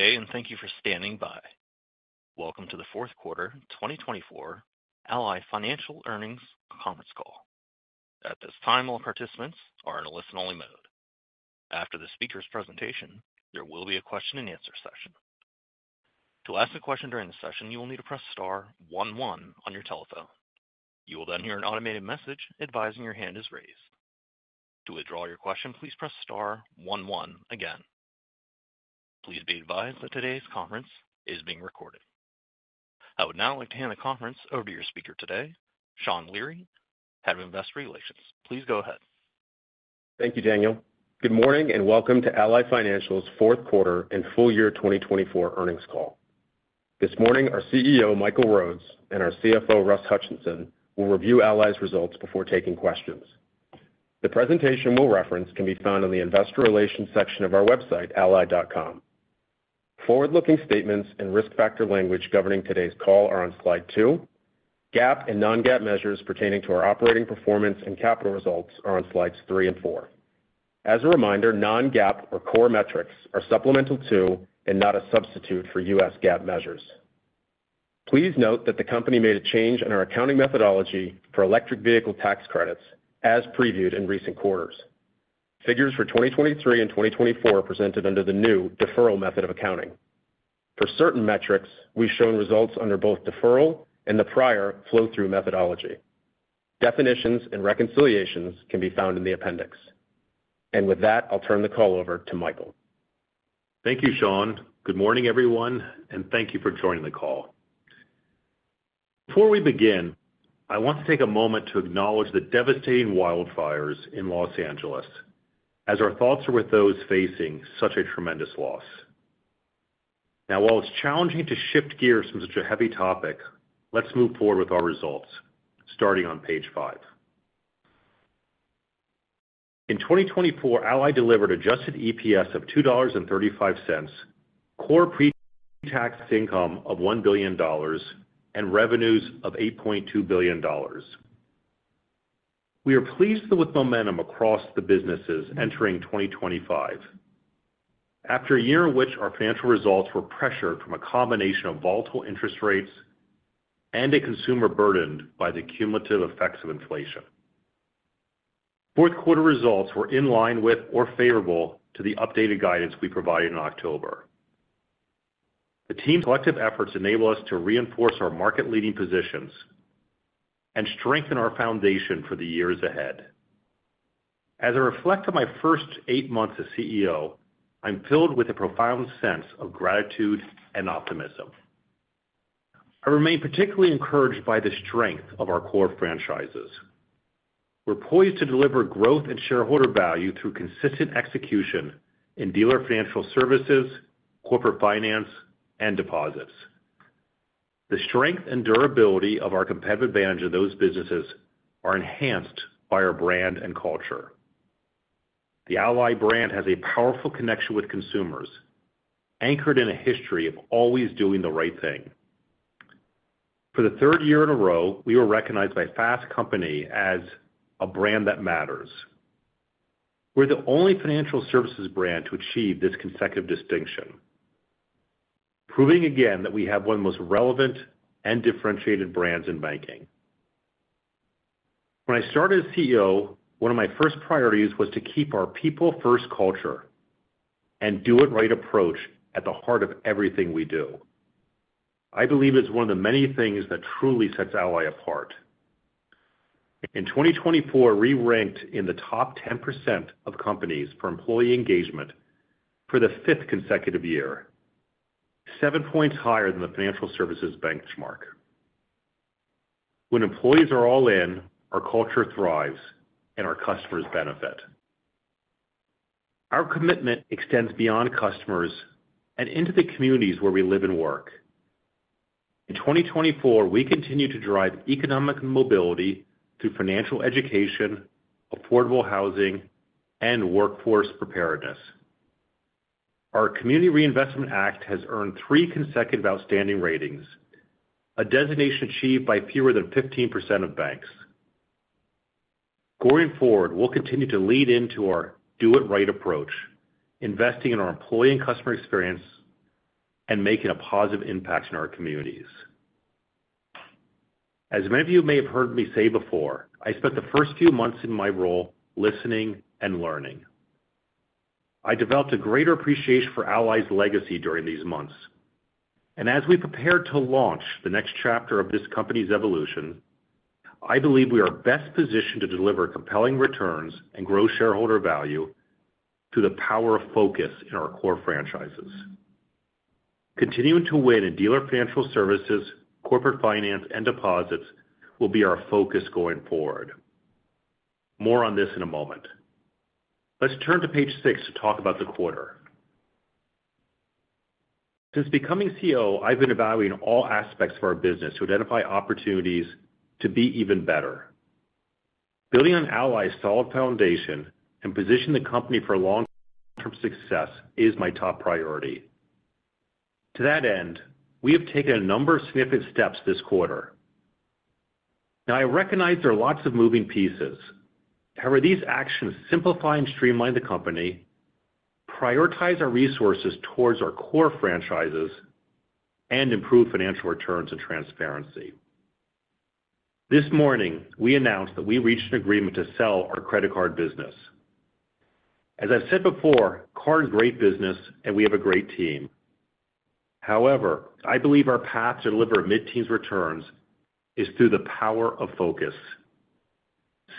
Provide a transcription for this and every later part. Good day, and thank you for standing by. Welcome to the Fourth Quarter 2024 Ally Financial Earnings Conference Call. At this time, all participants are in a listen-only mode. After the speaker's presentation, there will be a question-and-answer session. To ask a question during the session, you will need to press star one one on your telephone. You will then hear an automated message advising your hand is raised. To withdraw your question, please press star one one again. Please be advised that today's conference is being recorded. I would now like to hand the conference over to your speaker today, Sean Leary, Head of Investor Relations. Please go ahead. Thank you, Daniel. Good morning and welcome to Ally Financial's Fourth Quarter and Full Year 2024 Earnings Call. This morning, our CEO, Michael Rhodes, and our CFO, Russ Hutchinson, will review Ally's results before taking questions. The presentation we'll reference can be found in the Investor Relations section of our website, ally.com. Forward-looking statements and risk factor language governing today's call are on slide two. GAAP and non-GAAP measures pertaining to our operating performance and capital results are on slides three and four. As a reminder, non-GAAP or core metrics are supplemental to and not a substitute for U.S. GAAP measures. Please note that the company made a change in our accounting methodology for Electric Vehicle Tax Credits as previewed in recent quarters. Figures for 2023 and 2024 are presented under the new deferral method of accounting. For certain metrics, we've shown results under both deferral and the prior flow-through methodology. Definitions and reconciliations can be found in the Appendix. And with that, I'll turn the call over to Michael. Thank you, Sean. Good morning, everyone, and thank you for joining the call. Before we begin, I want to take a moment to acknowledge the devastating wildfires in Los Angeles as our thoughts are with those facing such a tremendous loss. Now, while it's challenging to shift gears from such a heavy topic, let's move forward with our results, starting on page five. In 2024, Ally delivered adjusted EPS of $2.35, core pre-tax income of $1 billion, and revenues of $8.2 billion. We are pleased with momentum across the businesses entering 2025, after a year in which our financial results were pressured from a combination of volatile interest rates and a consumer burdened by the cumulative effects of inflation. Fourth quarter results were in line with or favorable to the updated guidance we provided in October. The team's collective efforts enable us to reinforce our market-leading positions and strengthen our foundation for the years ahead. As I reflect on my first eight months as CEO, I'm filled with a profound sense of gratitude and optimism. I remain particularly encouraged by the strength of our core franchises. We're poised to deliver growth and shareholder value through consistent execution in Dealer Financial Services, Corporate Finance, and Deposits. The strength and durability of our competitive advantage in those businesses are enhanced by our brand and culture. The Ally brand has a powerful connection with consumers, anchored in a history of always doing the right thing. For the third year in a row, we were recognized by Fast Company as a Brand That Matters. We're the only financial services brand to achieve this consecutive distinction, proving again that we have one of the most relevant and differentiated brands in banking. When I started as CEO, one of my first priorities was to keep our people-first culture and do-it-right approach at the heart of everything we do. I believe it's one of the many things that truly sets Ally apart. In 2024, we ranked in the top 10% of companies for employee engagement for the fifth consecutive year, seven points higher than the financial services benchmark. When employees are all in, our culture thrives, and our customers benefit. Our commitment extends beyond customers and into the communities where we live and work. In 2024, we continue to drive economic mobility through financial education, affordable housing, and workforce preparedness. Our Community Reinvestment Act has earned three consecutive outstanding ratings, a designation achieved by fewer than 15% of banks. Going forward, we'll continue to lead into our do-it-right approach, investing in our employee and customer experience, and making a positive impact in our communities. As many of you may have heard me say before, I spent the first few months in my role listening and learning. I developed a greater appreciation for Ally's legacy during these months, and as we prepare to launch the next chapter of this company's evolution, I believe we are best positioned to deliver compelling returns and grow shareholder value through the power of focus in our core franchises. Continuing to win in Dealer Financial Services, Corporate Finance, and deposits will be our focus going forward. More on this in a moment. Let's turn to page six to talk about the quarter. Since becoming CEO, I've been evaluating all aspects of our business to identify opportunities to be even better. Building on Ally's solid foundation and positioning the company for long-term success is my top priority. To that end, we have taken a number of significant steps this quarter. Now, I recognize there are lots of moving pieces. However, these actions simplify and streamline the company, prioritize our resources towards our core franchises, and improve financial returns and transparency. This morning, we announced that we reached an agreement to sell our credit card business. As I've said before, card is a great business, and we have a great team. However, I believe our path to deliver mid-teens returns is through the power of focus.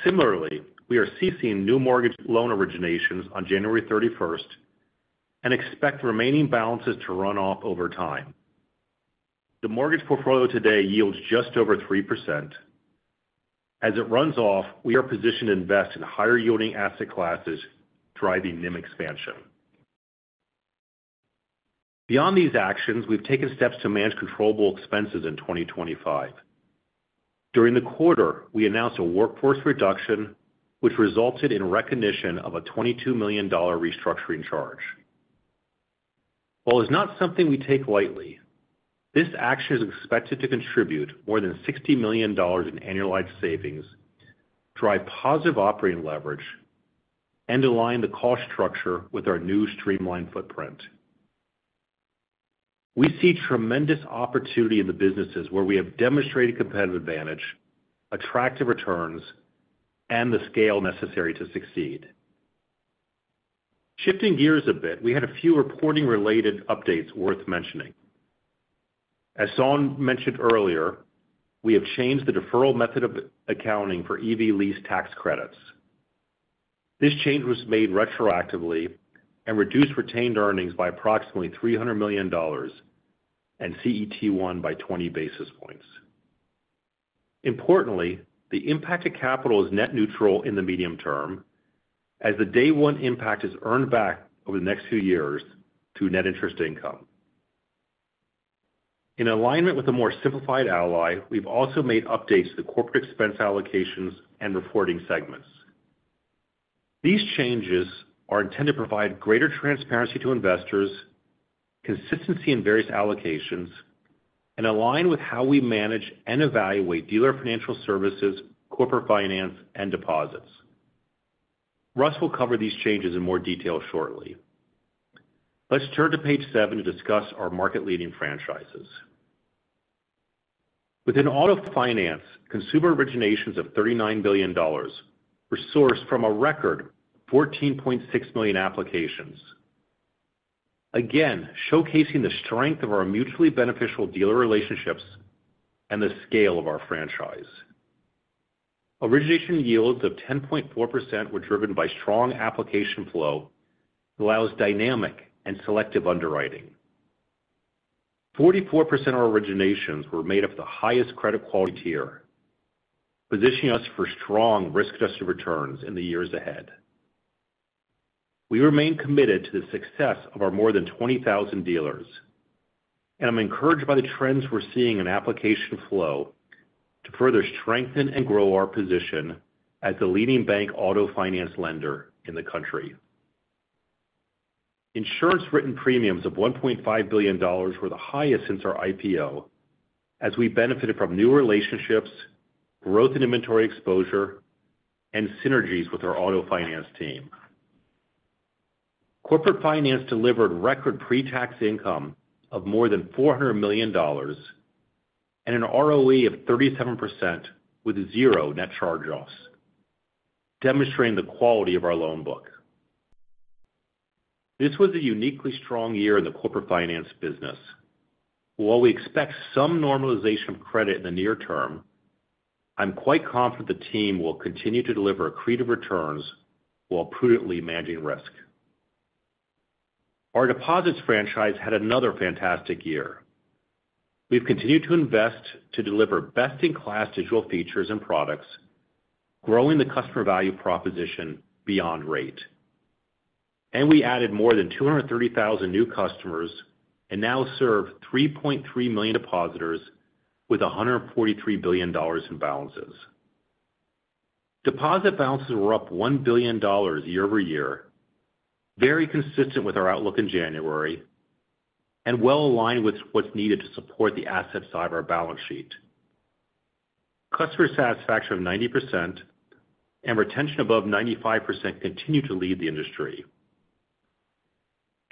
Similarly, we are ceasing new mortgage loan originations on January 31st and expect remaining balances to run off over time. The mortgage portfolio today yields just over 3%. As it runs off, we are positioned to invest in higher-yielding asset classes, driving NIM expansion. Beyond these actions, we've taken steps to manage controllable expenses in 2025. During the quarter, we announced a workforce reduction, which resulted in recognition of a $22 million restructuring charge. While it's not something we take lightly, this action is expected to contribute more than $60 million in annualized savings, drive positive operating leverage, and align the cost structure with our new streamlined footprint. We see tremendous opportunity in the businesses where we have demonstrated competitive advantage, attractive returns, and the scale necessary to succeed. Shifting gears a bit, we had a few reporting-related updates worth mentioning. As Sean mentioned earlier, we have changed the deferral method of accounting for EV lease tax credits. This change was made retroactively and reduced retained earnings by approximately $300 million and CET1 by 20 basis points. Importantly, the impact of capital is net neutral in the medium term, as the day-one impact is earned back over the next few years through net interest income. In alignment with a more simplified Ally, we've also made updates to the corporate expense allocations and reporting segments. These changes are intended to provide greater transparency to investors, consistency in various allocations, and align with how we manage and evaluate Dealer Financial Services, Corporate Finance, and deposits. Russ will cover these changes in more detail shortly. Let's turn to page seven to discuss our market-leading franchises. Within Auto Finance, consumer originations of $39 billion were sourced from a record 14.6 million applications, again showcasing the strength of our mutually beneficial dealer relationships and the scale of our franchise. Origination yields of 10.4% were driven by strong application flow that allows dynamic and selective underwriting, and 44% of our originations were made up of the highest credit quality tier, positioning us for strong risk-adjusted returns in the years ahead. We remain committed to the success of our more than 20,000 dealers, and I'm encouraged by the trends we're seeing in application flow to further strengthen and grow our position as the leading bank auto finance lender in the country. Insurance written premiums of $1.5 billion were the highest since our IPO, as we benefited from new relationships, growth in inventory exposure, and synergies with our auto finance team. Corporate Finance delivered record pre-tax income of more than $400 million and an ROE of 37% with zero net charge-offs, demonstrating the quality of our loan book. This was a uniquely strong year in the Corporate Finance business. While we expect some normalization of credit in the near term, I'm quite confident the team will continue to deliver accretive returns while prudently managing risk. Our Deposits franchise had another fantastic year. We've continued to invest to deliver best-in-class digital features and products, growing the customer value proposition beyond rate. And we added more than 230,000 new customers and now serve 3.3 million depositors with $143 billion in balances. Deposit balances were up $1 billion year-over-year, very consistent with our outlook in January, and well aligned with what's needed to support the asset side of our balance sheet. Customer satisfaction of 90% and retention above 95% continue to lead the industry.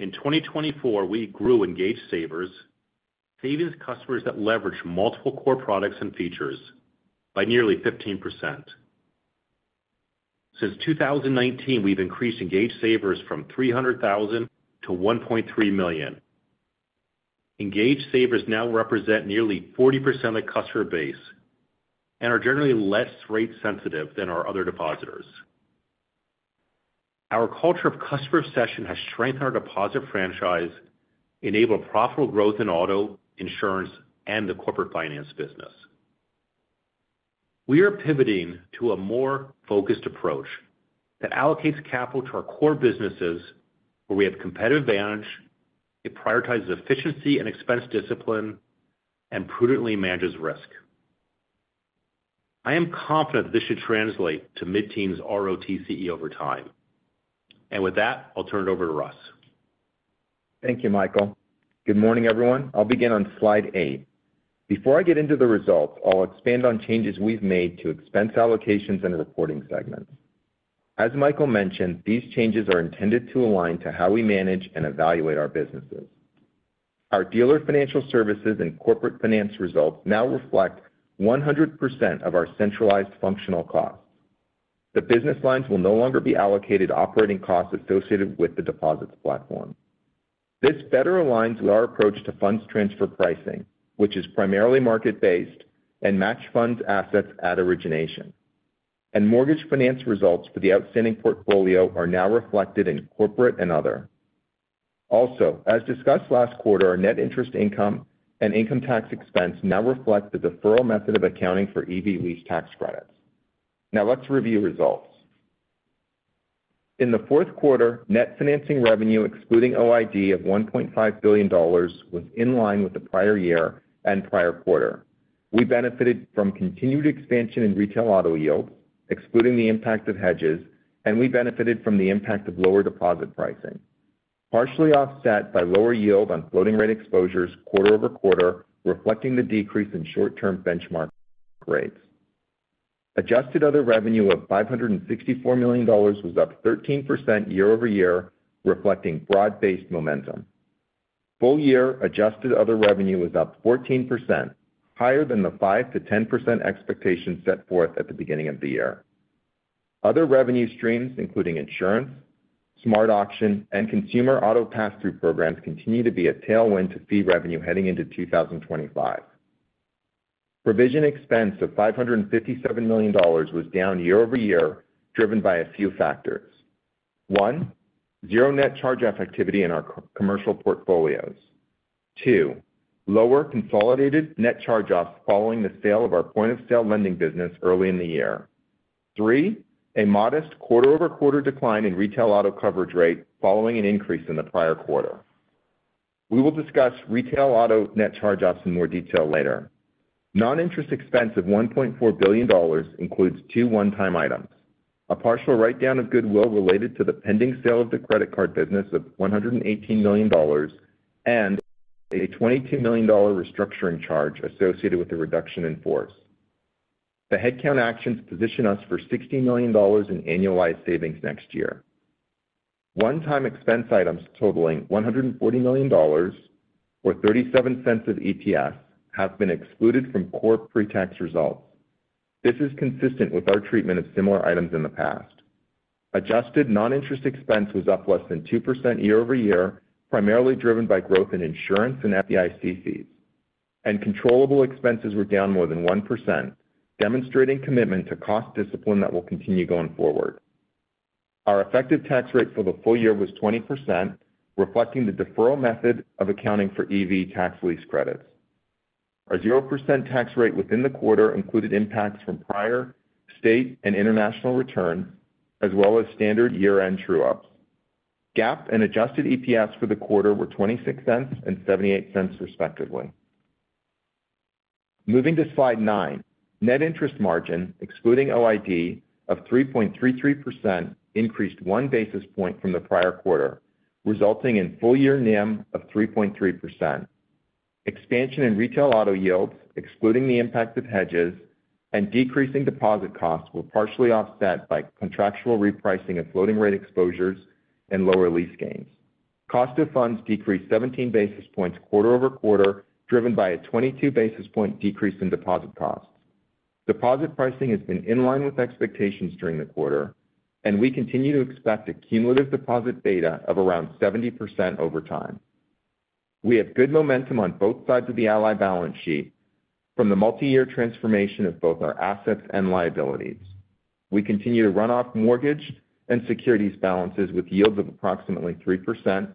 In 2024, we grew engaged savers, savings customers that leverage multiple core products and features by nearly 15%. Since 2019, we've increased engaged savers from 300,000 to 1.3 million. Engaged savers now represent nearly 40% of the customer base and are generally less rate-sensitive than our other depositors. Our culture of customer obsession has strengthened our deposit franchise, enabled profitable growth in Auto, Insurance, and the Corporate Finance business. We are pivoting to a more focused approach that allocates capital to our core businesses where we have competitive advantage. It prioritizes efficiency and expense discipline and prudently manages risk. I am confident that this should translate to mid-teens ROTCE over time. And with that, I'll turn it over to Russ. Thank you, Michael. Good morning, everyone. I'll begin on slide eight. Before I get into the results, I'll expand on changes we've made to expense allocations and reporting segments. As Michael mentioned, these changes are intended to align to how we manage and evaluate our businesses. Our Dealer Financial Services and Corporate Finance results now reflect 100% of our centralized functional costs. The business lines will no longer be allocated operating costs associated with the Deposits platform. This better aligns with our approach to funds transfer pricing, which is primarily market-based and matches funded assets at origination, and mortgage finance results for the outstanding portfolio are now reflected in Corporate and Other. Also, as discussed last quarter, our net interest income and income tax expense now reflect the deferral method of accounting for EV lease tax credits. Now, let's review results. In the fourth quarter, net financing revenue, excluding OID, of $1.5 billion was in line with the prior year and prior quarter. We benefited from continued expansion in retail auto yields, excluding the impact of hedges, and we benefited from the impact of lower deposit pricing, partially offset by lower yield on floating rate exposures quarter-over-quarter, reflecting the decrease in short-term benchmark rates. Adjusted other revenue of $564 million was up 13% year-over-year, reflecting broad-based momentum. Full-year adjusted other revenue was up 14%, higher than the 5%-10% expectation set forth at the beginning of the year. Other revenue streams, including insurance, SmartAuction, and consumer auto pass-through programs, continue to be a tailwind to fee revenue heading into 2025. Provision expense of $557 million was down year-over-year, driven by a few factors. One, zero net charge-off activity in our commercial portfolios. Two, lower consolidated net charge-offs following the sale of our point-of-sale lending business early in the year. Three, a modest quarter-over-quarter decline in retail auto coverage rate following an increase in the prior quarter. We will discuss retail auto net charge-offs in more detail later. Non-interest expense of $1.4 billion includes two one-time items, a partial write-down of goodwill related to the pending sale of the credit card business of $118 million, and a $22 million restructuring charge associated with the reduction in force. The headcount actions position us for $60 million in annualized savings next year. One-time expense items totaling $140 million or $0.37 of EPS have been excluded from core pre-tax results. This is consistent with our treatment of similar items in the past. Adjusted non-interest expense was up less than 2% year-over-year, primarily driven by growth in insurance and FDIC fees. Controllable expenses were down more than 1%, demonstrating commitment to cost discipline that will continue going forward. Our effective tax rate for the full year was 20%, reflecting the deferral method of accounting for EV lease tax credits. Our 0% tax rate within the quarter included impacts from prior state and international returns, as well as standard year-end true-ups. GAAP and adjusted EPS for the quarter were $0.26 and $0.78, respectively. Moving to slide nine, net interest margin, excluding OID, of 3.33% increased one basis point from the prior quarter, resulting in full-year NIM of 3.3%. Expansion in retail auto yields, excluding the impact of hedges and decreasing deposit costs, were partially offset by contractual repricing of floating rate exposures and lower lease gains. Cost of funds decreased 17 basis points quarter-over-quarter, driven by a 22 basis point decrease in deposit costs. Deposit pricing has been in line with expectations during the quarter, and we continue to expect a cumulative deposit beta of around 70% over time. We have good momentum on both sides of the Ally balance sheet from the multi-year transformation of both our assets and liabilities. We continue to run off mortgage and securities balances with yields of approximately 3%,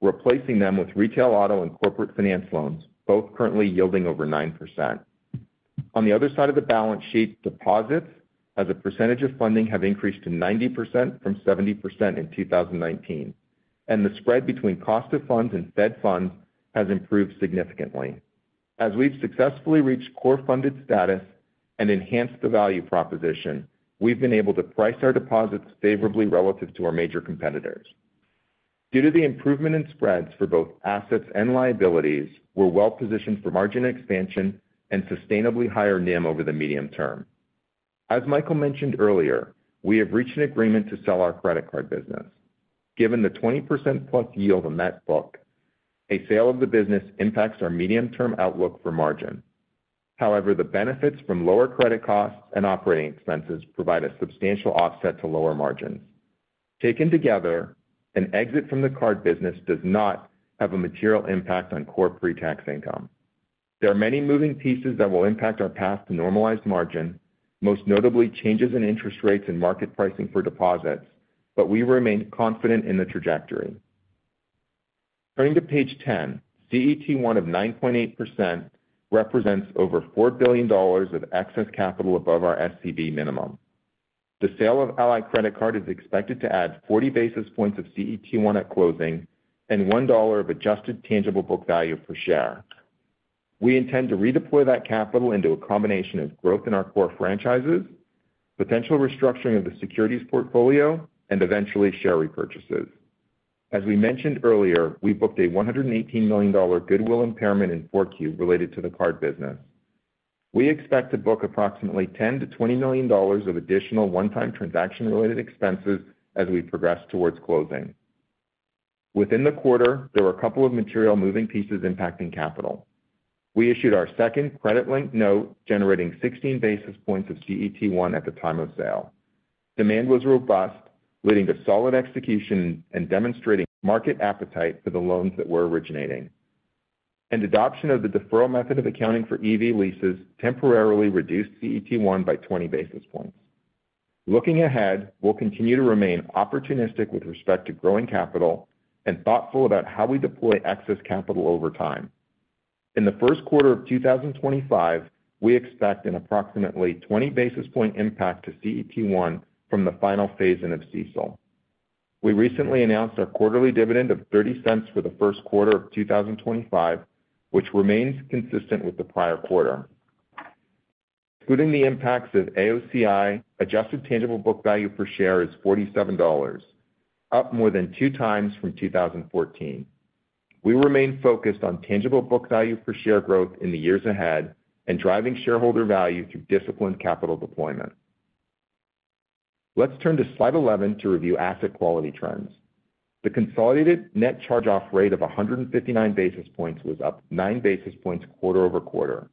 replacing them with retail auto and Corporate Finance loans, both currently yielding over 9%. On the other side of the balance sheet, deposits as a percentage of funding have increased to 90% from 70% in 2019, and the spread between cost of funds and Fed funds has improved significantly. As we've successfully reached core funded status and enhanced the value proposition, we've been able to price our deposits favorably relative to our major competitors. Due to the improvement in spreads for both assets and liabilities, we're well positioned for margin expansion and sustainably higher NIM over the medium term. As Michael mentioned earlier, we have reached an agreement to sell our credit card business. Given the 20% plus yield on that book, a sale of the business impacts our medium-term outlook for margin. However, the benefits from lower credit costs and operating expenses provide a substantial offset to lower margins. Taken together, an exit from the card business does not have a material impact on core pre-tax income. There are many moving pieces that will impact our path to normalized margin, most notably changes in interest rates and market pricing for deposits, but we remain confident in the trajectory. Turning to page 10, CET1 of 9.8% represents over $4 billion of excess capital above our SCB minimum. The sale of Ally Credit Card is expected to add 40 basis points of CET1 at closing and $1 of adjusted tangible book value per share. We intend to redeploy that capital into a combination of growth in our core franchises, potential restructuring of the securities portfolio, and eventually share repurchases. As we mentioned earlier, we booked a $118 million goodwill impairment in 4Q related to the card business. We expect to book approximately $10-$20 million of additional one-time transaction-related expenses as we progress towards closing. Within the quarter, there were a couple of material moving pieces impacting capital. We issued our second credit-linked note generating 16 basis points of CET1 at the time of sale. Demand was robust, leading to solid execution and demonstrating market appetite for the loans that were originating. Adoption of the deferral method of accounting for EV leases temporarily reduced CET1 by 20 basis points. Looking ahead, we'll continue to remain opportunistic with respect to growing capital and thoughtful about how we deploy excess capital over time. In the first quarter of 2025, we expect an approximately 20 basis point impact to CET1 from the final phase-in of CECL. We recently announced our quarterly dividend of $0.30 for the first quarter of 2025, which remains consistent with the prior quarter. Excluding the impacts of AOCI, adjusted tangible book value per share is $47, up more than two times from 2014. We remain focused on tangible book value per share growth in the years ahead and driving shareholder value through disciplined capital deployment. Let's turn to slide 11 to review asset quality trends. The consolidated net charge-off rate of 159 basis points was up 9 basis points quarter-over-quarter.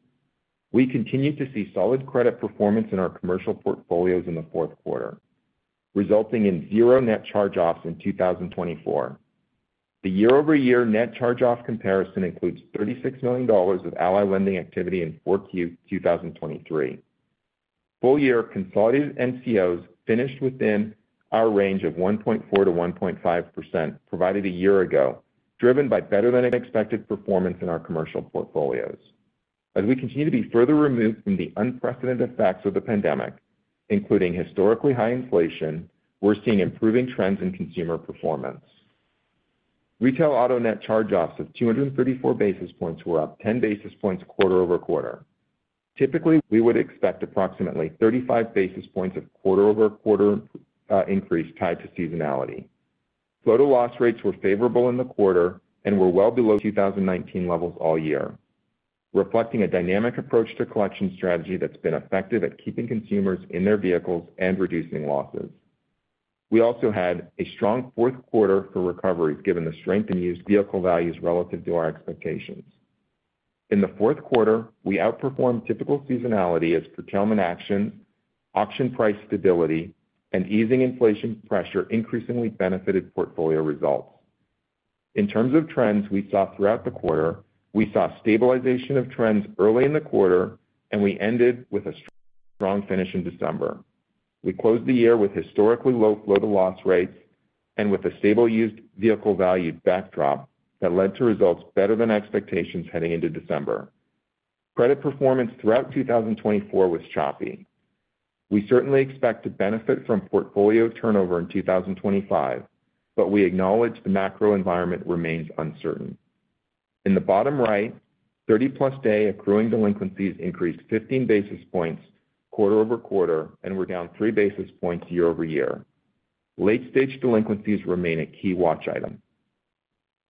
We continue to see solid credit performance in our commercial portfolios in the fourth quarter, resulting in zero net charge-offs in 2024. The year-over-year net charge-off comparison includes $36 million of Ally Lending activity in 4Q 2023. Full-year consolidated NCOs finished within our range of 1.4%-1.5% provided a year ago, driven by better-than-expected performance in our commercial portfolios. As we continue to be further removed from the unprecedented effects of the pandemic, including historically high inflation, we're seeing improving trends in consumer performance. Retail Auto net charge-offs of 234 basis points were up 10 basis points quarter-over-quarter. Typically, we would expect approximately 35 basis points of quarter-over-quarter increase tied to seasonality. Total loss rates were favorable in the quarter and were well below 2019 levels all year, reflecting a dynamic approach to collection strategy that's been effective at keeping consumers in their vehicles and reducing losses. We also had a strong fourth quarter for recoveries given the strength and used vehicle values relative to our expectations. In the fourth quarter, we outperformed typical seasonality as procurement actions, auction price stability, and easing inflation pressure increasingly benefited portfolio results. In terms of trends we saw throughout the quarter, we saw stabilization of trends early in the quarter, and we ended with a strong finish in December. We closed the year with historically low float-to-loss rates and with a stable used vehicle value backdrop that led to results better than expectations heading into December. Credit performance throughout 2024 was choppy. We certainly expect to benefit from portfolio turnover in 2025, but we acknowledge the macro environment remains uncertain. In the bottom right, 30-plus days of accruing delinquencies increased 15 basis points quarter-over-quarter and were down 3 basis points year-over-year. Late-stage delinquencies remain a key watch item.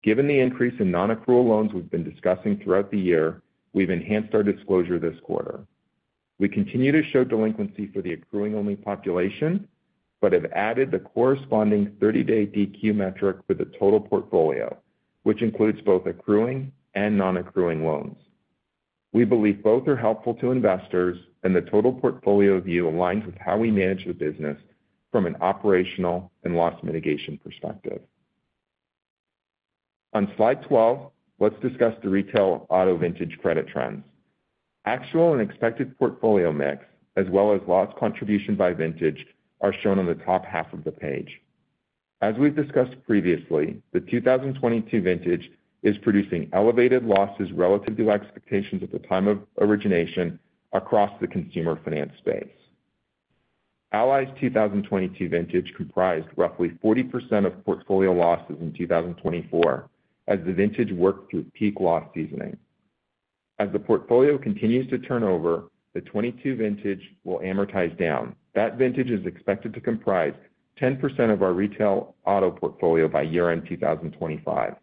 Given the increase in non-accrual loans we've been discussing throughout the year, we've enhanced our disclosure this quarter. We continue to show delinquency for the accruing-only population but have added the corresponding 30-day DQ metric for the total portfolio, which includes both accruing and non-accruing loans. We believe both are helpful to investors, and the total portfolio view aligns with how we manage the business from an operational and loss mitigation perspective. On slide 12, let's discuss the retail auto vintage credit trends. Actual and expected portfolio mix, as well as loss contribution by vintage, are shown on the top half of the page. As we've discussed previously, the 2022 vintage is producing elevated losses relative to expectations at the time of origination across the consumer finance space. Ally's 2022 vintage comprised roughly 40% of portfolio losses in 2024 as the vintage worked through peak loss seasoning. As the portfolio continues to turn over, the 2022 vintage will amortize down. That vintage is expected to comprise 10% of our retail auto portfolio by year-end 2025,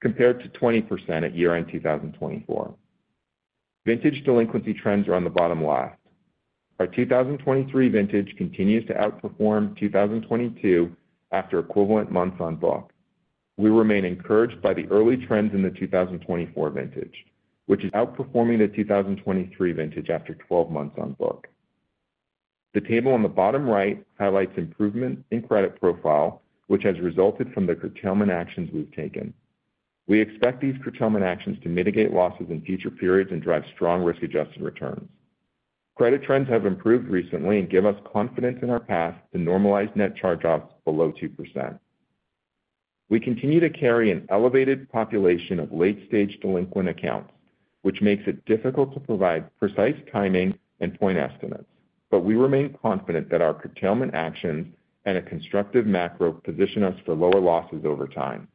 compared to 20% at year-end 2024. Vintage delinquency trends are on the bottom left. Our 2023 vintage continues to outperform 2022 after equivalent months on book. We remain encouraged by the early trends in the 2024 vintage, which is outperforming the 2023 vintage after 12 months on book. The table on the bottom right highlights improvement in credit profile, which has resulted from the procurement actions we've taken. We expect these procurement actions to mitigate losses in future periods and drive strong risk-adjusted returns. Credit trends have improved recently and give us confidence in our path to normalize net charge-offs below 2%. We continue to carry an elevated population of late-stage delinquent accounts, which makes it difficult to provide precise timing and point estimates, but we remain confident that our procurement actions and a constructive macro position us for lower losses over time.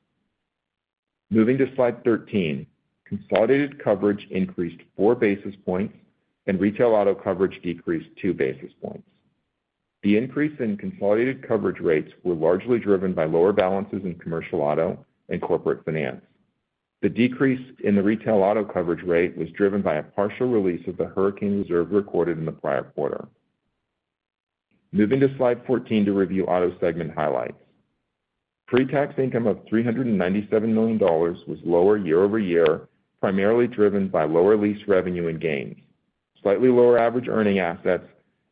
Moving to slide 13, consolidated coverage increased 4 basis points and retail auto coverage decreased 2 basis points. The increase in consolidated coverage rates was largely driven by lower balances in commercial auto and Corporate Finance. The decrease in the retail auto coverage rate was driven by a partial release of the hurricane reserve recorded in the prior quarter. Moving to slide 14 to review auto segment highlights. Pre-tax income of $397 million was lower year-over-year, primarily driven by lower lease revenue and gains, slightly lower average earning assets,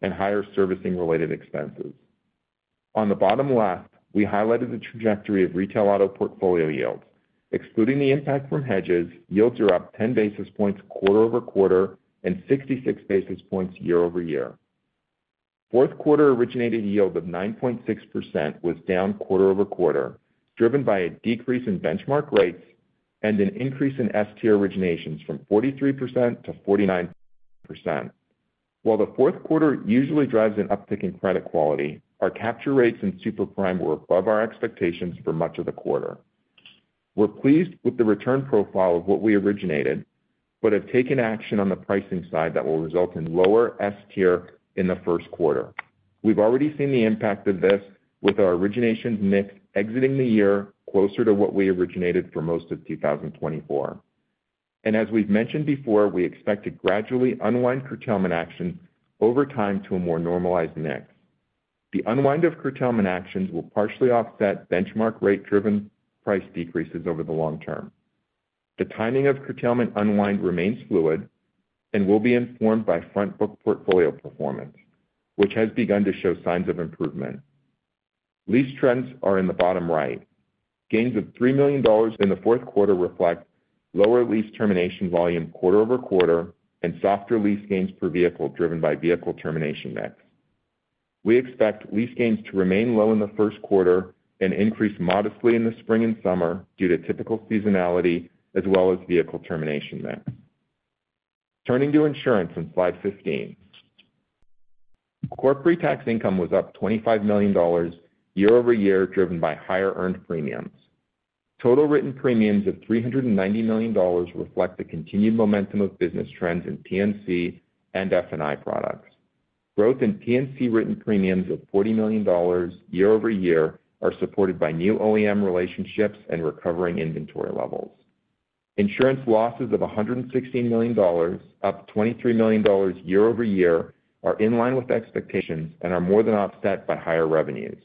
and higher servicing-related expenses. On the bottom left, we highlighted the trajectory of retail auto portfolio yields. Excluding the impact from hedges, yields are up 10 basis points quarter-over-quarter and 66 basis points year-over-year. Fourth quarter originated yield of 9.6% was down quarter-over-quarter, driven by a decrease in benchmark rates and an increase in S-tier originations from 43% to 49%. While the fourth quarter usually drives an uptick in credit quality, our capture rates in super prime were above our expectations for much of the quarter. We're pleased with the return profile of what we originated, but have taken action on the pricing side that will result in lower S-tier in the first quarter. We've already seen the impact of this with our originations mix exiting the year closer to what we originated for most of 2024. And as we've mentioned before, we expect to gradually unwind procurement actions over time to a more normalized mix. The unwind of procurement actions will partially offset benchmark rate-driven price decreases over the long term. The timing of procurement unwind remains fluid and will be informed by front-book portfolio performance, which has begun to show signs of improvement. Lease trends are in the bottom right. Gains of $3 million in the fourth quarter reflect lower lease termination volume quarter-over-quarter and softer lease gains per vehicle driven by vehicle termination mix. We expect lease gains to remain low in the first quarter and increase modestly in the spring and summer due to typical seasonality as well as vehicle termination mix. Turning to Insurance on slide 15, core pre-tax income was up $25 million year-over-year driven by higher earned premiums. Total written premiums of $390 million reflect the continued momentum of business trends in P&C and F&I products. Growth in P&C written premiums of $40 million year-over-year are supported by new OEM relationships and recovering inventory levels. Insurance losses of $116 million, up $23 million year-over-year, are in line with expectations and are more than offset by higher revenues.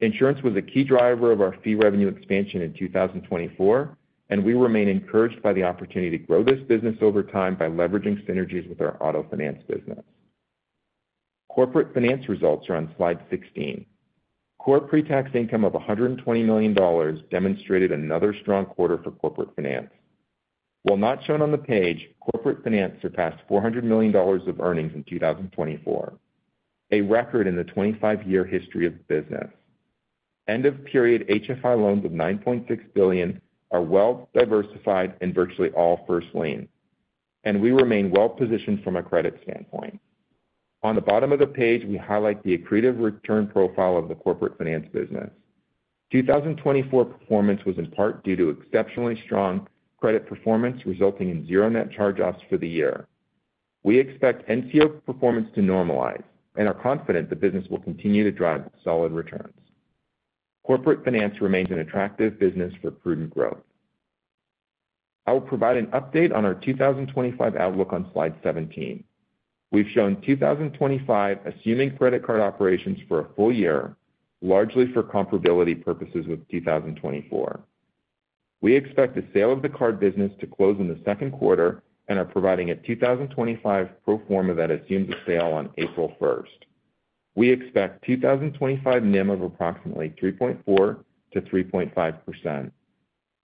Insurance was a key driver of our fee revenue expansion in 2024, and we remain encouraged by the opportunity to grow this business over time by leveraging synergies with our Auto Finance business. Corporate Finance results are on slide 16. Core pre-tax income of $120 million demonstrated another strong quarter for Corporate Finance. While not shown on the page, Corporate Finance surpassed $400 million of earnings in 2024, a record in the 25-year history of the business. End-of-period HFI loans of $9.6 billion are well-diversified in virtually all first-lien, and we remain well-positioned from a credit standpoint. On the bottom of the page, we highlight the accretive return profile of the Corporate Finance business. 2024 performance was in part due to exceptionally strong credit performance resulting in zero net charge-offs for the year. We expect NCO performance to normalize and are confident the business will continue to drive solid returns. Corporate finance remains an attractive business for prudent growth. I will provide an update on our 2025 outlook on slide 17. We've shown 2025 assuming credit card operations for a full year, largely for comparability purposes with 2024. We expect the sale of the card business to close in the second quarter and are providing a 2025 pro forma that assumes a sale on April 1st. We expect 2025 NIM of approximately 3.4%-3.5%.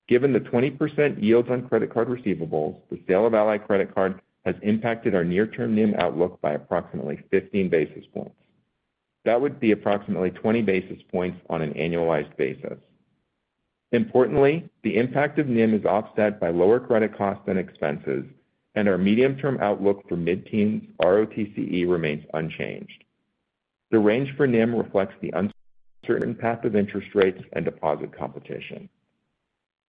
Given the 20% yields on credit card receivables, the sale of Ally Credit Card has impacted our near-term NIM outlook by approximately 15 basis points. That would be approximately 20 basis points on an annualized basis. Importantly, the impact of NIM is offset by lower credit costs and expenses, and our medium-term outlook for mid-teens ROTCE remains unchanged. The range for NIM reflects the uncertain path of interest rates and deposit competition.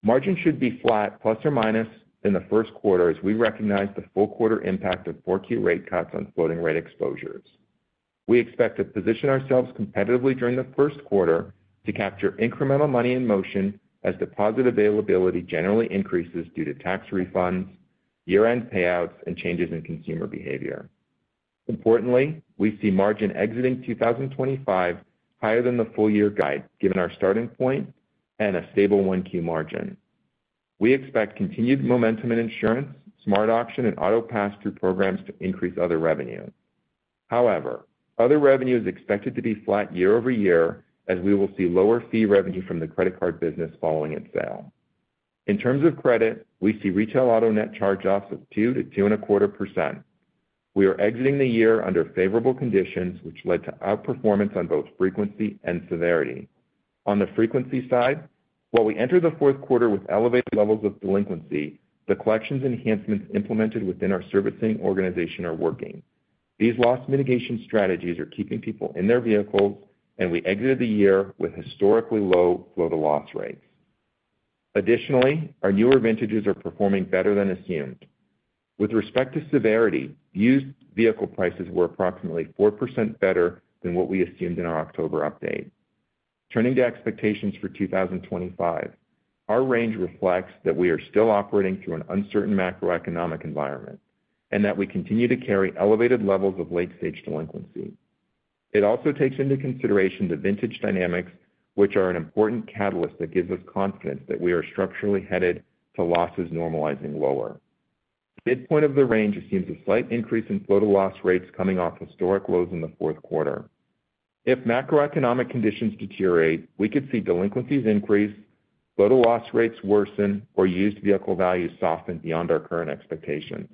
Margin should be flat plus or minus in the first quarter as we recognize the full quarter impact of 4Q rate cuts on floating rate exposures. We expect to position ourselves competitively during the first quarter to capture incremental money in motion as deposit availability generally increases due to tax refunds, year-end payouts, and changes in consumer behavior. Importantly, we see margin exiting 2025 higher than the full-year guide given our starting point and a stable 1Q margin. We expect continued momentum in Insurance, SmartAuction, and auto pass-through programs to increase other revenue. However, other revenue is expected to be flat year-over-year as we will see lower fee revenue from the credit card business following its sale. In terms of credit, we see retail auto net charge-offs of 2%-2.25%. We are exiting the year under favorable conditions, which led to outperformance on both frequency and severity. On the frequency side, while we enter the fourth quarter with elevated levels of delinquency, the collections enhancements implemented within our servicing organization are working. These loss mitigation strategies are keeping people in their vehicles, and we exited the year with historically low float-to-loss rates. Additionally, our newer vintages are performing better than assumed. With respect to severity, used vehicle prices were approximately 4% better than what we assumed in our October update. Turning to expectations for 2025, our range reflects that we are still operating through an uncertain macroeconomic environment and that we continue to carry elevated levels of late-stage delinquency. It also takes into consideration the vintage dynamics, which are an important catalyst that gives us confidence that we are structurally headed to losses normalizing lower. Midpoint of the range assumes a slight increase in float-to-loss rates coming off historic lows in the fourth quarter. If macroeconomic conditions deteriorate, we could see delinquencies increase, float-to-loss rates worsen, or used vehicle values soften beyond our current expectations.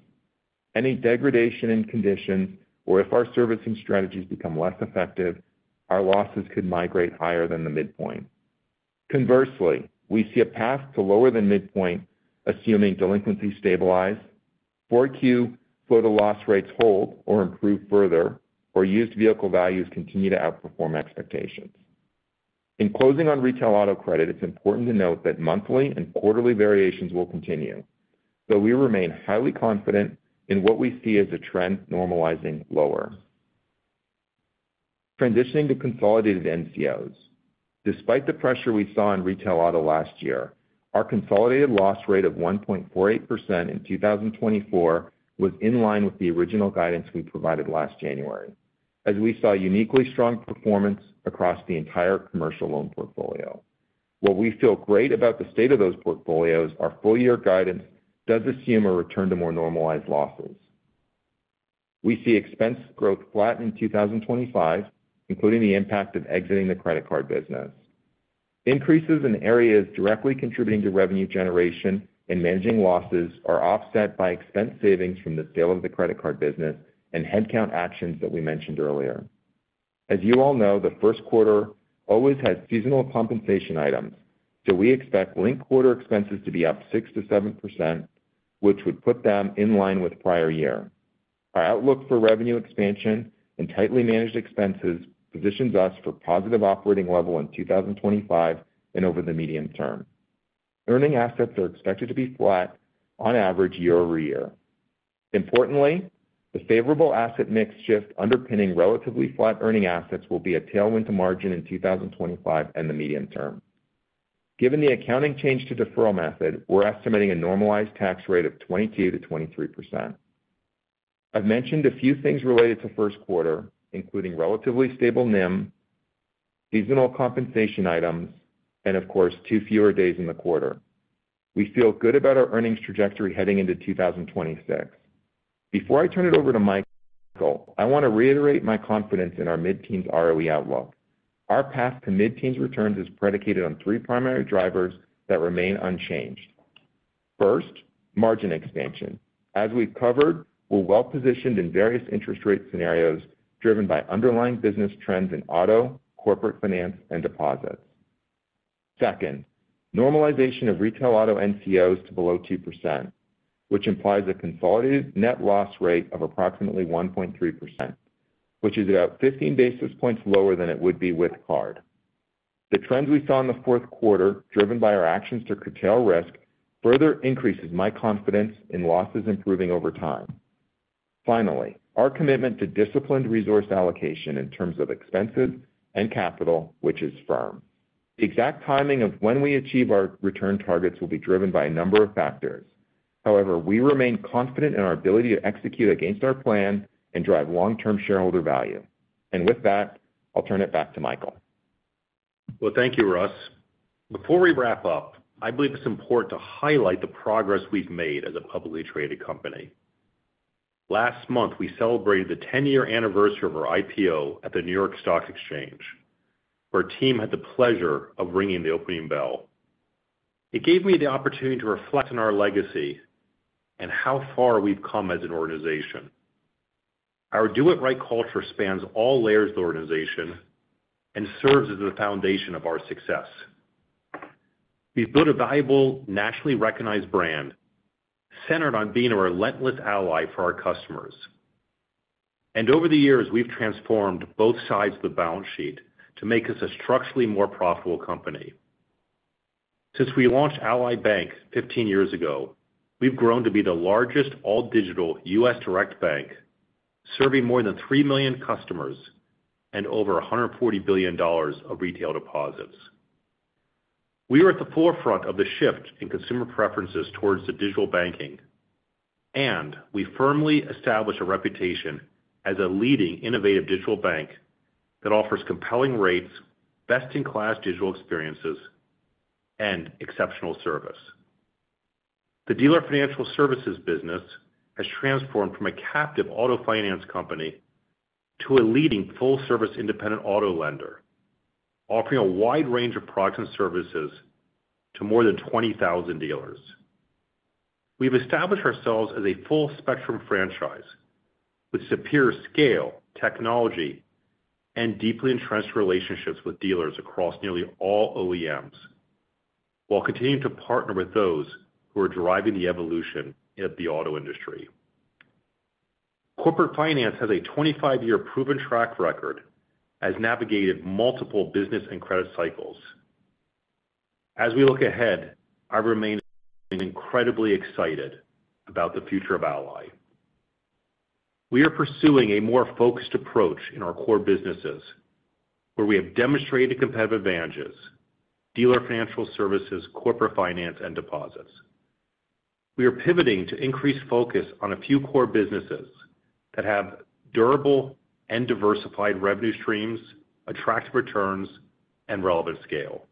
Any degradation in conditions, or if our servicing strategies become less effective, our losses could migrate higher than the midpoint. Conversely, we see a path to lower than midpoint assuming delinquency stabilizes, 4Q float-to-loss rates hold or improve further, or used vehicle values continue to outperform expectations. In closing on retail auto credit, it's important to note that monthly and quarterly variations will continue, though we remain highly confident in what we see as a trend normalizing lower. Transitioning to consolidated NCOs. Despite the pressure we saw in retail auto last year, our consolidated loss rate of 1.48% in 2024 was in line with the original guidance we provided last January, as we saw uniquely strong performance across the entire commercial loan portfolio. While we feel great about the state of those portfolios, our full-year guidance does assume a return to more normalized losses. We see expense growth flat in 2025, including the impact of exiting the credit card business. Increases in areas directly contributing to revenue generation and managing losses are offset by expense savings from the sale of the credit card business and headcount actions that we mentioned earlier. As you all know, the first quarter always has seasonal compensation items, so we expect linked quarter expenses to be up 6%-7%, which would put them in line with prior year. Our outlook for revenue expansion and tightly managed expenses positions us for positive operating leverage in 2025 and over the medium term. Earning assets are expected to be flat on average year-over-year. Importantly, the favorable asset mix shift underpinning relatively flat earning assets will be a tailwind to margin in 2025 and the medium term. Given the accounting change to deferral method, we're estimating a normalized tax rate of 22%-23%. I've mentioned a few things related to first quarter, including relatively stable NIM, seasonal compensation items, and of course, two fewer days in the quarter. We feel good about our earnings trajectory heading into 2026. Before I turn it over to Michael, I want to reiterate my confidence in our mid-teens ROE outlook. Our path to mid-teens returns is predicated on three primary drivers that remain unchanged. First, margin expansion. As we've covered, we're well-positioned in various interest rate scenarios driven by underlying business trends in Auto, Corporate Finance, and Deposits. Second, normalization of retail auto NCOs to below 2%, which implies a consolidated net loss rate of approximately 1.3%, which is about 15 basis points lower than it would be with card. The trends we saw in the fourth quarter, driven by our actions to curtail risk, further increases my confidence in losses improving over time. Finally, our commitment to disciplined resource allocation in terms of expenses and capital, which is firm. The exact timing of when we achieve our return targets will be driven by a number of factors. However, we remain confident in our ability to execute against our plan and drive long-term shareholder value. And with that, I'll turn it back to Michael. Well, thank you, Russ. Before we wrap up, I believe it's important to highlight the progress we've made as a publicly traded company. Last month, we celebrated the 10-year anniversary of our IPO at the New York Stock Exchange, where our team had the pleasure of ringing the opening bell. It gave me the opportunity to reflect on our legacy and how far we've come as an organization. Our do-it-right culture spans all layers of the organization and serves as the foundation of our success. We've built a valuable, nationally recognized brand centered on being a relentless ally for our customers, and over the years, we've transformed both sides of the balance sheet to make us a structurally more profitable company. Since we launched Ally Bank 15 years ago, we've grown to be the largest all-digital U.S. direct bank, serving more than three million customers and over $140 billion of retail deposits. We are at the forefront of the shift in consumer preferences towards the digital banking, and we firmly established a reputation as a leading innovative digital bank that offers compelling rates, best-in-class digital experiences, and exceptional service. The Dealer Financial Services business has transformed from a captive auto finance company to a leading full-service independent auto lender, offering a wide range of products and services to more than 20,000 dealers. We've established ourselves as a full-spectrum franchise with superior scale, technology, and deeply entrenched relationships with dealers across nearly all OEMs, while continuing to partner with those who are driving the evolution of the auto industry. Corporate Finance has a 25-year proven track record as navigated multiple business and credit cycles. As we look ahead, I remain incredibly excited about the future of Ally. We are pursuing a more focused approach in our core businesses, where we have demonstrated competitive advantages: Dealer Financial Services, Corporate Finance, and deposits. We are pivoting to increase focus on a few core businesses that have durable and diversified revenue streams, attractive returns, and relevant scale.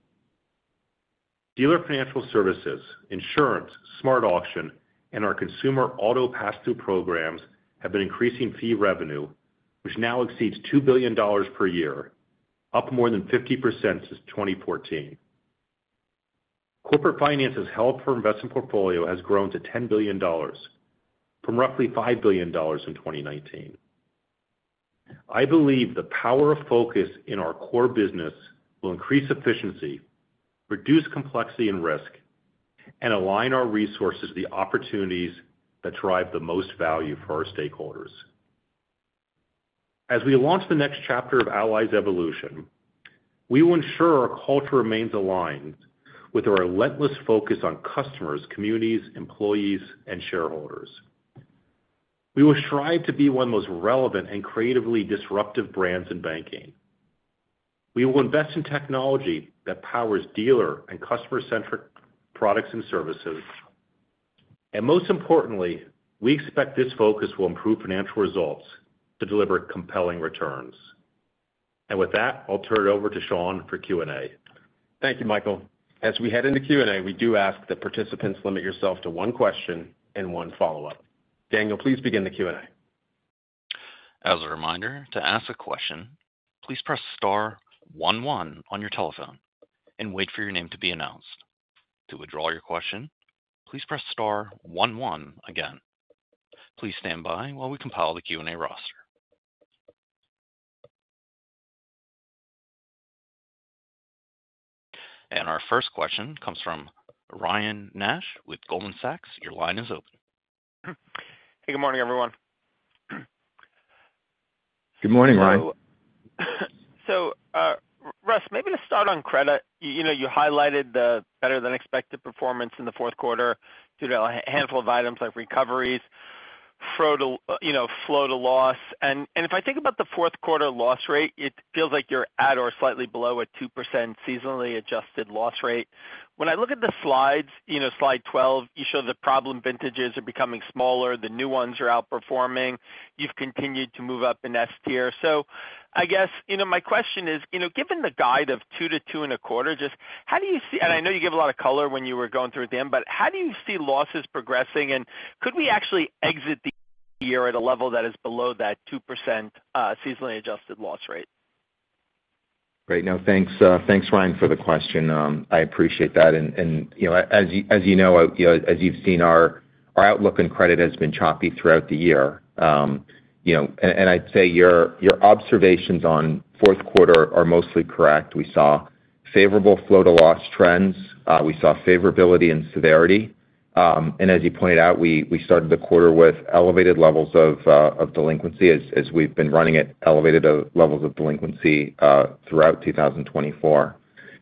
Dealer Financial Services, Insurance, SmartAuction, and our consumer auto pass-through programs have been increasing fee revenue, which now exceeds $2 billion per year, up more than 50% since 2014. Corporate Finance's held-for-investment portfolio has grown to $10 billion, from roughly $5 billion in 2019. I believe the power of focus in our core business will increase efficiency, reduce complexity and risk, and align our resources to the opportunities that drive the most value for our stakeholders. As we launch the next chapter of Ally's evolution, we will ensure our culture remains aligned with our relentless focus on customers, communities, employees, and shareholders. We will strive to be one of the most relevant and creatively disruptive brands in banking. We will invest in technology that powers dealer and customer-centric products and services. And most importantly, we expect this focus will improve financial results to deliver compelling returns. With that, I'll turn it over to Sean for Q&A. Thank you, Michael. As we head into Q&A, we do ask the participants limit yourself to one question and one follow-up. Daniel, please begin the Q&A. As a reminder, to ask a question, please press star one one on your telephone and wait for your name to be announced. To withdraw your question, please press star one one again. Please stand by while we compile the Q&A roster. Our first question comes from Ryan Nash with Goldman Sachs. Your line is open. Hey, good morning, everyone. Good morning, Ryan. So, Russ, maybe to start on credit, you highlighted the better-than-expected performance in the fourth quarter due to a handful of items like recoveries, float-to-loss. If I think about the fourth quarter loss rate, it feels like you're at or slightly below a 2% seasonally adjusted loss rate. When I look at the slides, slide 12, you show the problem vintages are becoming smaller, the new ones are outperforming, you've continued to move up in S-tier. So I guess my question is, given the guide of two to two and a quarter, just how do you see, and I know you gave a lot of color when you were going through it at the end, but how do you see losses progressing? And could we actually exit the year at a level that is below that 2% seasonally adjusted loss rate? Thank you, Ryan, for the question. I appreciate that, and as you know, as you've seen, our outlook and credit has been choppy throughout the year. I'd say your observations on fourth quarter are mostly correct. We saw favorable float-to-loss trends. We saw favorability and severity. As you pointed out, we started the quarter with elevated levels of delinquency as we've been running at elevated levels of delinquency throughout 2024.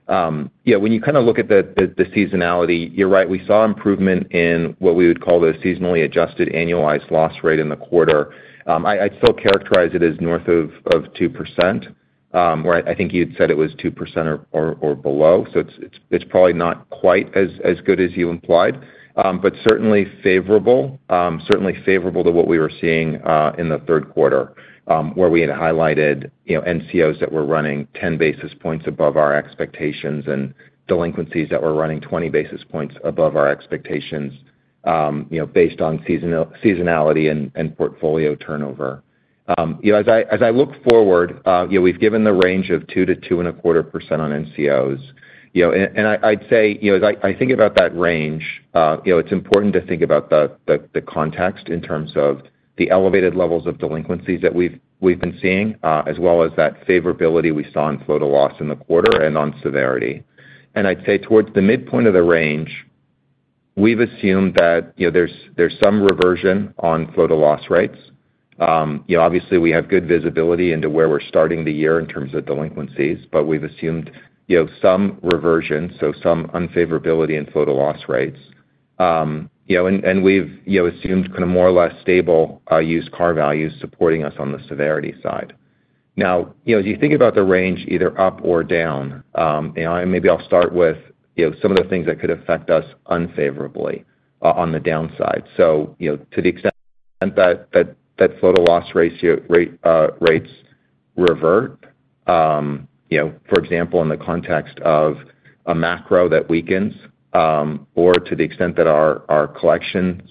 Yeah, when you kind of look at the seasonality, you're right, we saw improvement in what we would call the seasonally adjusted annualized loss rate in the quarter. I'd still characterize it as north of 2%, where I think you'd said it was 2% or below. It's probably not quite as good as you implied, but certainly favorable, certainly favorable to what we were seeing in the third quarter, where we had highlighted NCOs that were running 10 basis points above our expectations and delinquencies that were running 20 basis points above our expectations based on seasonality and portfolio turnover. As I look forward, we've given the range of 2%-2.25% on NCOs. I'd say, as I think about that range, it's important to think about the context in terms of the elevated levels of delinquencies that we've been seeing, as well as that favorability we saw in float-to-loss in the quarter and on severity. I'd say towards the midpoint of the range, we've assumed that there's some reversion on float-to-loss rates. Obviously, we have good visibility into where we're starting the year in terms of delinquencies, but we've assumed some reversion, so some unfavorability in float-to-loss rates. We've assumed kind of more or less stable used car values supporting us on the severity side. Now, as you think about the range either up or down, and maybe I'll start with some of the things that could affect us unfavorably on the downside. So to the extent that float-to-loss rates revert, for example, in the context of a macro that weakens, or to the extent that our collections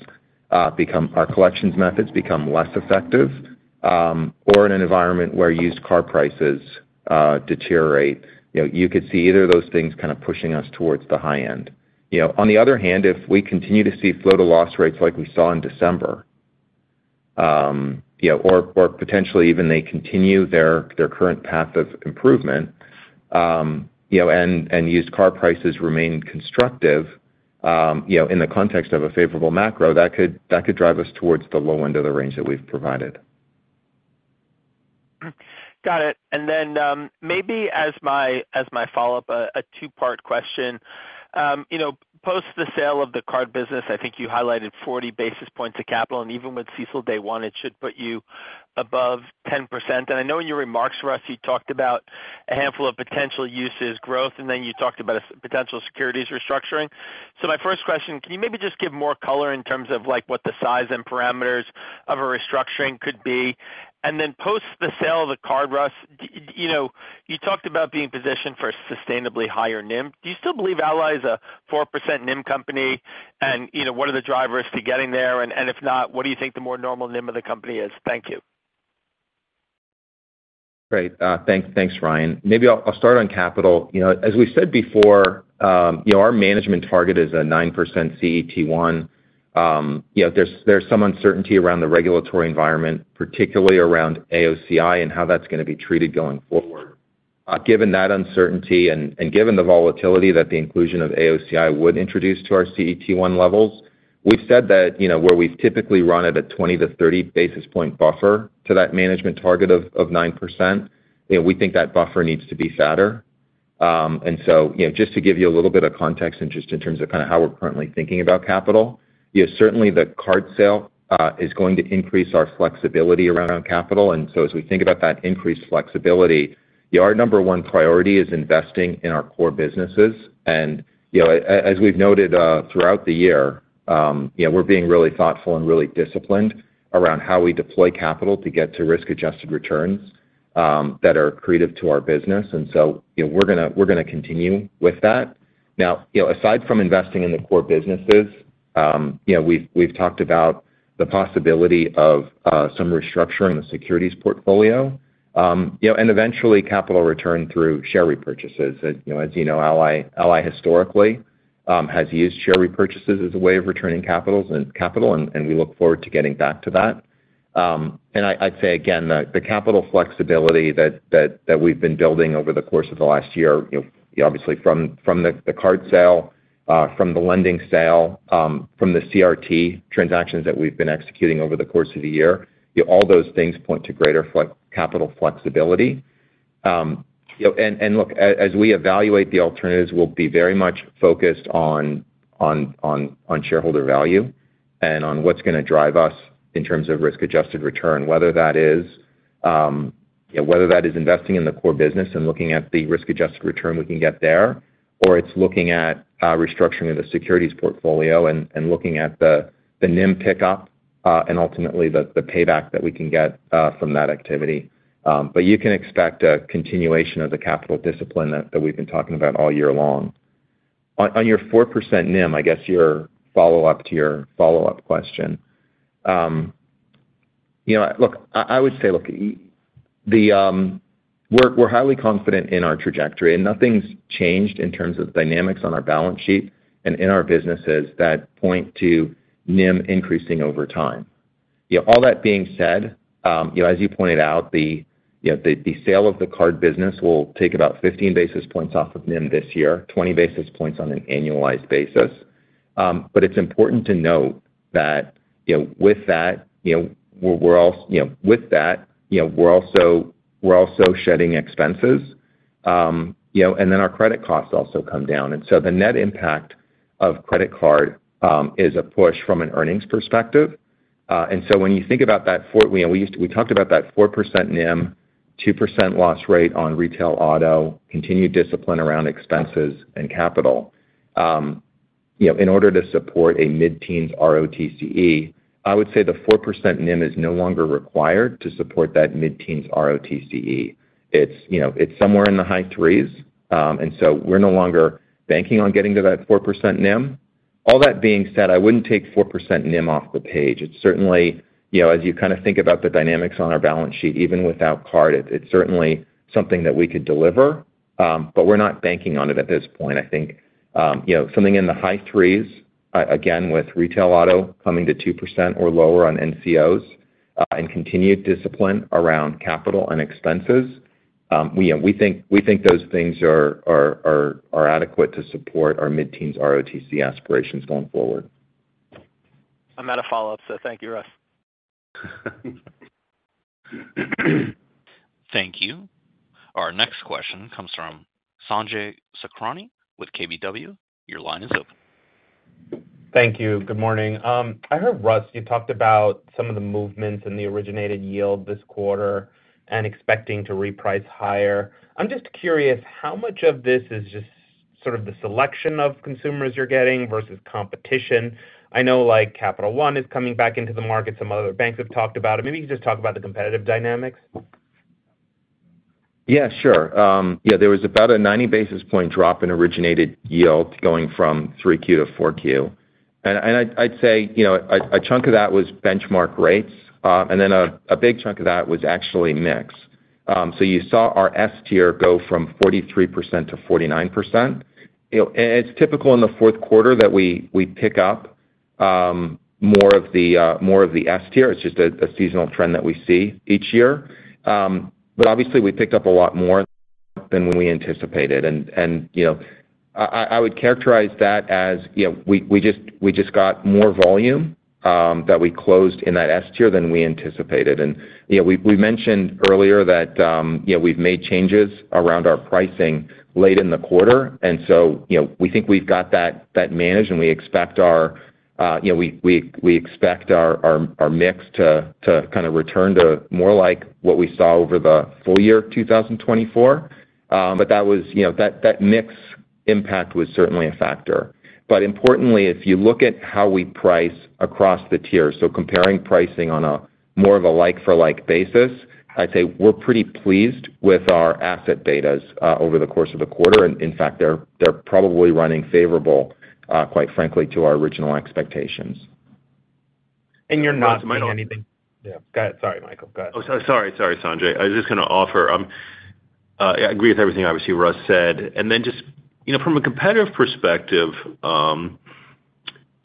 methods become less effective, or in an environment where used car prices deteriorate, you could see either of those things kind of pushing us towards the high end. On the other hand, if we continue to see float-to-loss rates like we saw in December, or potentially even they continue their current path of improvement and used car prices remain constructive in the context of a favorable macro, that could drive us towards the low end of the range that we've provided. Got it. And then maybe as my follow-up, a two-part question. Post the sale of the card business, I think you highlighted 40 basis points of capital. And even with CECL Day One, it should put you above 10%. And I know in your remarks, Russ, you talked about a handful of potential uses, growth, and then you talked about potential securities restructuring. So my first question, can you maybe just give more color in terms of what the size and parameters of a restructuring could be? And then post the sale of the card, Russ, you talked about being positioned for a sustainably higher NIM. Do you still believe Ally is a 4% NIM company? And what are the drivers to getting there? And if not, what do you think the more normal NIM of the company is? Thank you. Great. Thanks, Ryan. Maybe I'll start on capital. As we said before, our management target is a 9% CET1. There's some uncertainty around the regulatory environment, particularly around AOCI and how that's going to be treated going forward. Given that uncertainty and given the volatility that the inclusion of AOCI would introduce to our CET1 levels, we've said that where we've typically run at a 20 basis points-30 basis points buffer to that management target of 9%, we think that buffer needs to be fatter. And so just to give you a little bit of context in terms of kind of how we're currently thinking about capital, certainly the card sale is going to increase our flexibility around capital. And so as we think about that increased flexibility, our number one priority is investing in our core businesses. And as we've noted throughout the year, we're being really thoughtful and really disciplined around how we deploy capital to get to risk-adjusted returns that are accretive to our business. And so we're going to continue with that. Now, aside from investing in the core businesses, we've talked about the possibility of some restructuring of the securities portfolio and eventually capital return through share repurchases. As you know, Ally historically has used share repurchases as a way of returning capital, and we look forward to getting back to that. And I'd say, again, the capital flexibility that we've been building over the course of the last year, obviously from the card sale, from the lending sale, from the CRT transactions that we've been executing over the course of the year, all those things point to greater capital flexibility. And look, as we evaluate the alternatives, we'll be very much focused on shareholder value and on what's going to drive us in terms of risk-adjusted return, whether that is investing in the core business and looking at the risk-adjusted return we can get there, or it's looking at restructuring of the securities portfolio and looking at the NIM pickup and ultimately the payback that we can get from that activity. But you can expect a continuation of the capital discipline that we've been talking about all year long. On your 4% NIM, I guess your follow-up to your follow-up question. Look, I would say, look, we're highly confident in our trajectory, and nothing's changed in terms of the dynamics on our balance sheet and in our businesses that point to NIM increasing over time. All that being said, as you pointed out, the sale of the card business will take about 15 basis points off of NIM this year, 20 basis points on an annualized basis. But it's important to note that with that, with that, we're also shedding expenses, and then our credit costs also come down. And so the net impact of credit card is a push from an earnings perspective. And so when you think about that, we talked about that 4% NIM, 2% loss rate on Retail Auto, continued discipline around expenses and capital in order to support a mid-teens ROTCE. I would say the 4% NIM is no longer required to support that mid-teens ROTCE. It's somewhere in the high 3%s. And so we're no longer banking on getting to that 4% NIM. All that being said, I wouldn't take 4% NIM off the page. It's certainly, as you kind of think about the dynamics on our balance sheet, even without card, it's certainly something that we could deliver, but we're not banking on it at this point. I think something in the high threes, again, with Retail Auto coming to 2% or lower on NCOs and continued discipline around capital and expenses, we think those things are adequate to support our mid-teens ROTCE aspirations going forward. I have no follow-up, so thank you, Russ. Thank you. Our next question comes from Sanjay Sakhrani with KBW. Your line is open. Thank you. Good morning. I heard, Russ, you talked about some of the movements in the originated yield this quarter and expecting to reprice higher. I'm just curious, how much of this is just sort of the selection of consumers you're getting versus competition? I know Capital One is coming back into the market. Some other banks have talked about it. Maybe you could just talk about the competitive dynamics. Yeah, sure. Yeah, there was about a 90 basis point drop in originated yield going from 3Q to 4Q. And I'd say a chunk of that was benchmark rates, and then a big chunk of that was actually mix. So you saw our S-tier go from 43% to 49%. It's typical in the fourth quarter that we pick up more of the S-tier. It's just a seasonal trend that we see each year. But obviously, we picked up a lot more than we anticipated. And I would characterize that as we just got more volume that we closed in that S-tier than we anticipated. And we mentioned earlier that we've made changes around our pricing late in the quarter. And so we think we've got that managed, and we expect our mix to kind of return to more like what we saw over the full year 2024. But that mix impact was certainly a factor. But importantly, if you look at how we price across the tier, so comparing pricing on a more of a like-for-like basis, I'd say we're pretty pleased with our asset betas over the course of the quarter. And in fact, they're probably running favorable, quite frankly, to our original expectations. And you're not seeing anything. Yeah. Go ahead. Sorry, Michael. Go ahead. Oh, sorry. Sorry, Sanjay. I was just going to offer. I agree with everything, obviously, Russ said. And then just from a competitive perspective, it was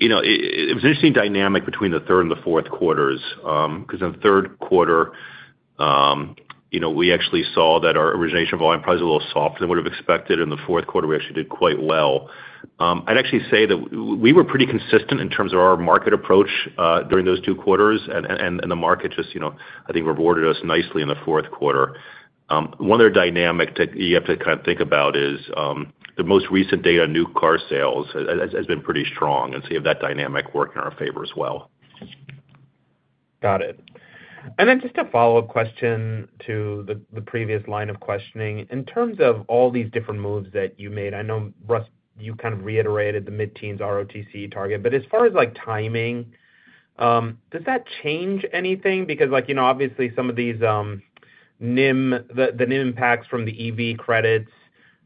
an interesting dynamic between the third and the fourth quarters because in the third quarter, we actually saw that our origination volume probably was a little softer than we would have expected. In the fourth quarter, we actually did quite well. I'd actually say that we were pretty consistent in terms of our market approach during those two quarters, and the market just, I think, rewarded us nicely in the fourth quarter. One other dynamic that you have to kind of think about is the most recent data on new car sales has been pretty strong and see if that dynamic worked in our favor as well. Got it. And then just a follow-up question to the previous line of questioning. In terms of all these different moves that you made, I know, Russ, you kind of reiterated the mid-teens ROTCE target. But as far as timing, does that change anything? Because obviously, some of these NIM, the NIM impacts from the EV credits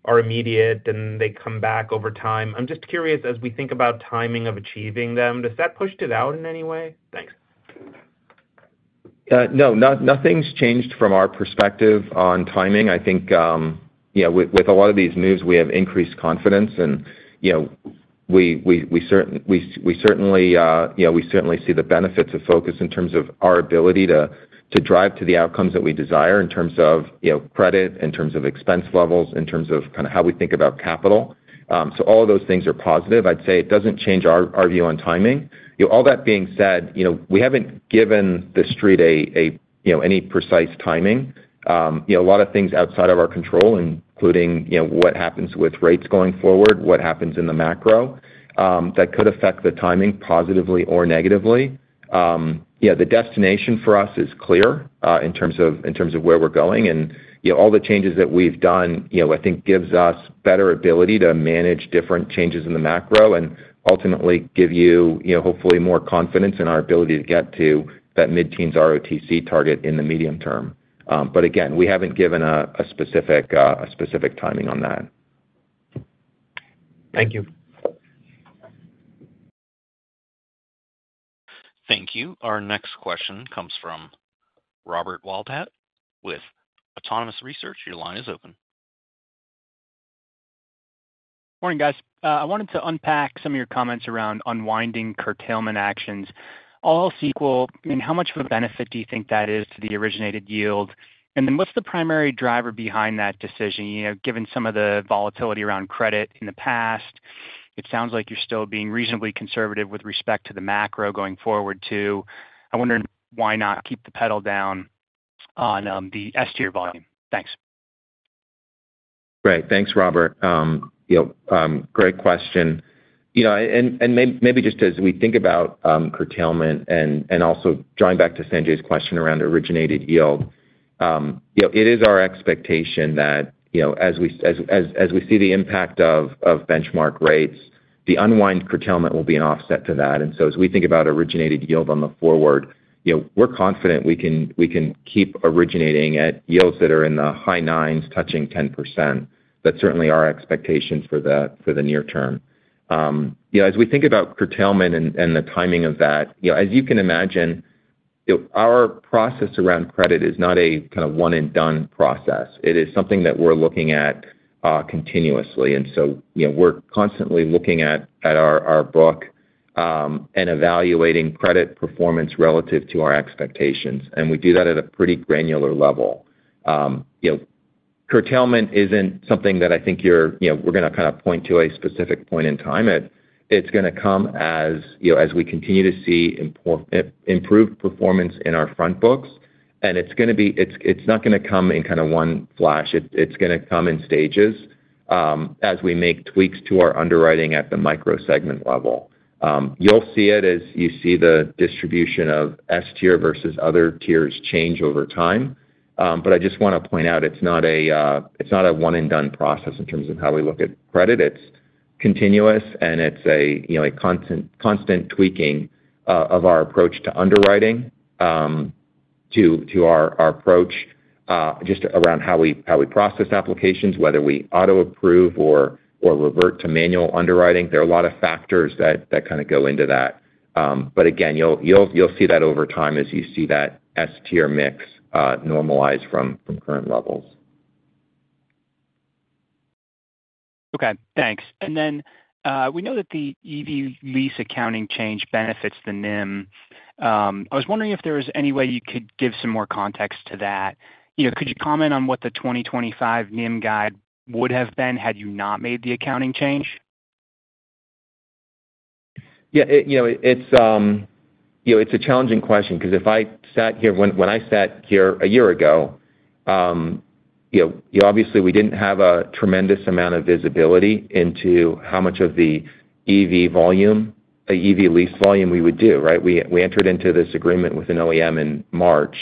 are immediate, and they come back over time. I'm just curious, as we think about timing of achieving them, does that push it out in any way? Thanks. No, nothing's changed from our perspective on timing. I think with a lot of these moves, we have increased confidence, and we certainly see the benefits of focus in terms of our ability to drive to the outcomes that we desire in terms of credit, in terms of expense levels, in terms of kind of how we think about capital. So all of those things are positive. I'd say it doesn't change our view on timing. All that being said, we haven't given the street any precise timing. A lot of things outside of our control, including what happens with rates going forward, what happens in the macro that could affect the timing positively or negatively. The destination for us is clear in terms of where we're going, and all the changes that we've done, I think, gives us better ability to manage different changes in the macro and ultimately give you, hopefully, more confidence in our ability to get to that mid-teens ROTCE target in the medium term, but again, we haven't given a specific timing on that. Thank you. Thank you. Our next question comes from Robert Wildhack with Autonomous Research. Your line is open. Morning, guys. I wanted to unpack some of your comments around unwinding curtailment actions. As well, I mean, how much of a benefit do you think that is to the originated yield? And then what's the primary driver behind that decision? Given some of the volatility around credit in the past, it sounds like you're still being reasonably conservative with respect to the macro going forward too. I wonder why not keep the pedal down on the S-tier volume. Thanks. Great. Thanks, Robert. Great question. And maybe just as we think about curtailment and also drawing back to Sanjay's question around originated yield, it is our expectation that as we see the impact of benchmark rates, the unwind curtailment will be an offset to that. And so as we think about originated yield on the forward, we're confident we can keep originating at yields that are in the high nines touching 10%. That's certainly our expectation for the near term. As we think about curtailment and the timing of that, as you can imagine, our process around credit is not a kind of one-and-done process. It is something that we're looking at continuously. And so we're constantly looking at our book and evaluating credit performance relative to our expectations. And we do that at a pretty granular level. Curtailment isn't something that I think we're going to kind of point to a specific point in time. It's going to come as we continue to see improved performance in our front books. And it's not going to come in kind of one flash. It's going to come in stages as we make tweaks to our underwriting at the micro segment level. You'll see it as you see the distribution of S-tier versus other tiers change over time. But I just want to point out it's not a one-and-done process in terms of how we look at credit. It's continuous, and it's a constant tweaking of our approach to underwriting, to our approach just around how we process applications, whether we auto-approve or revert to manual underwriting. There are a lot of factors that kind of go into that. But again, you'll see that over time as you see that S-tier mix normalize from current levels. Okay. Thanks. And then we know that the EV lease accounting change benefits the NIM. I was wondering if there was any way you could give some more context to that. Could you comment on what the 2025 NIM guide would have been had you not made the accounting change? Yeah. It's a challenging question because if I sat here when I sat here a year ago, obviously, we didn't have a tremendous amount of visibility into how much of the EV lease volume we would do, right? We entered into this agreement with an OEM in March,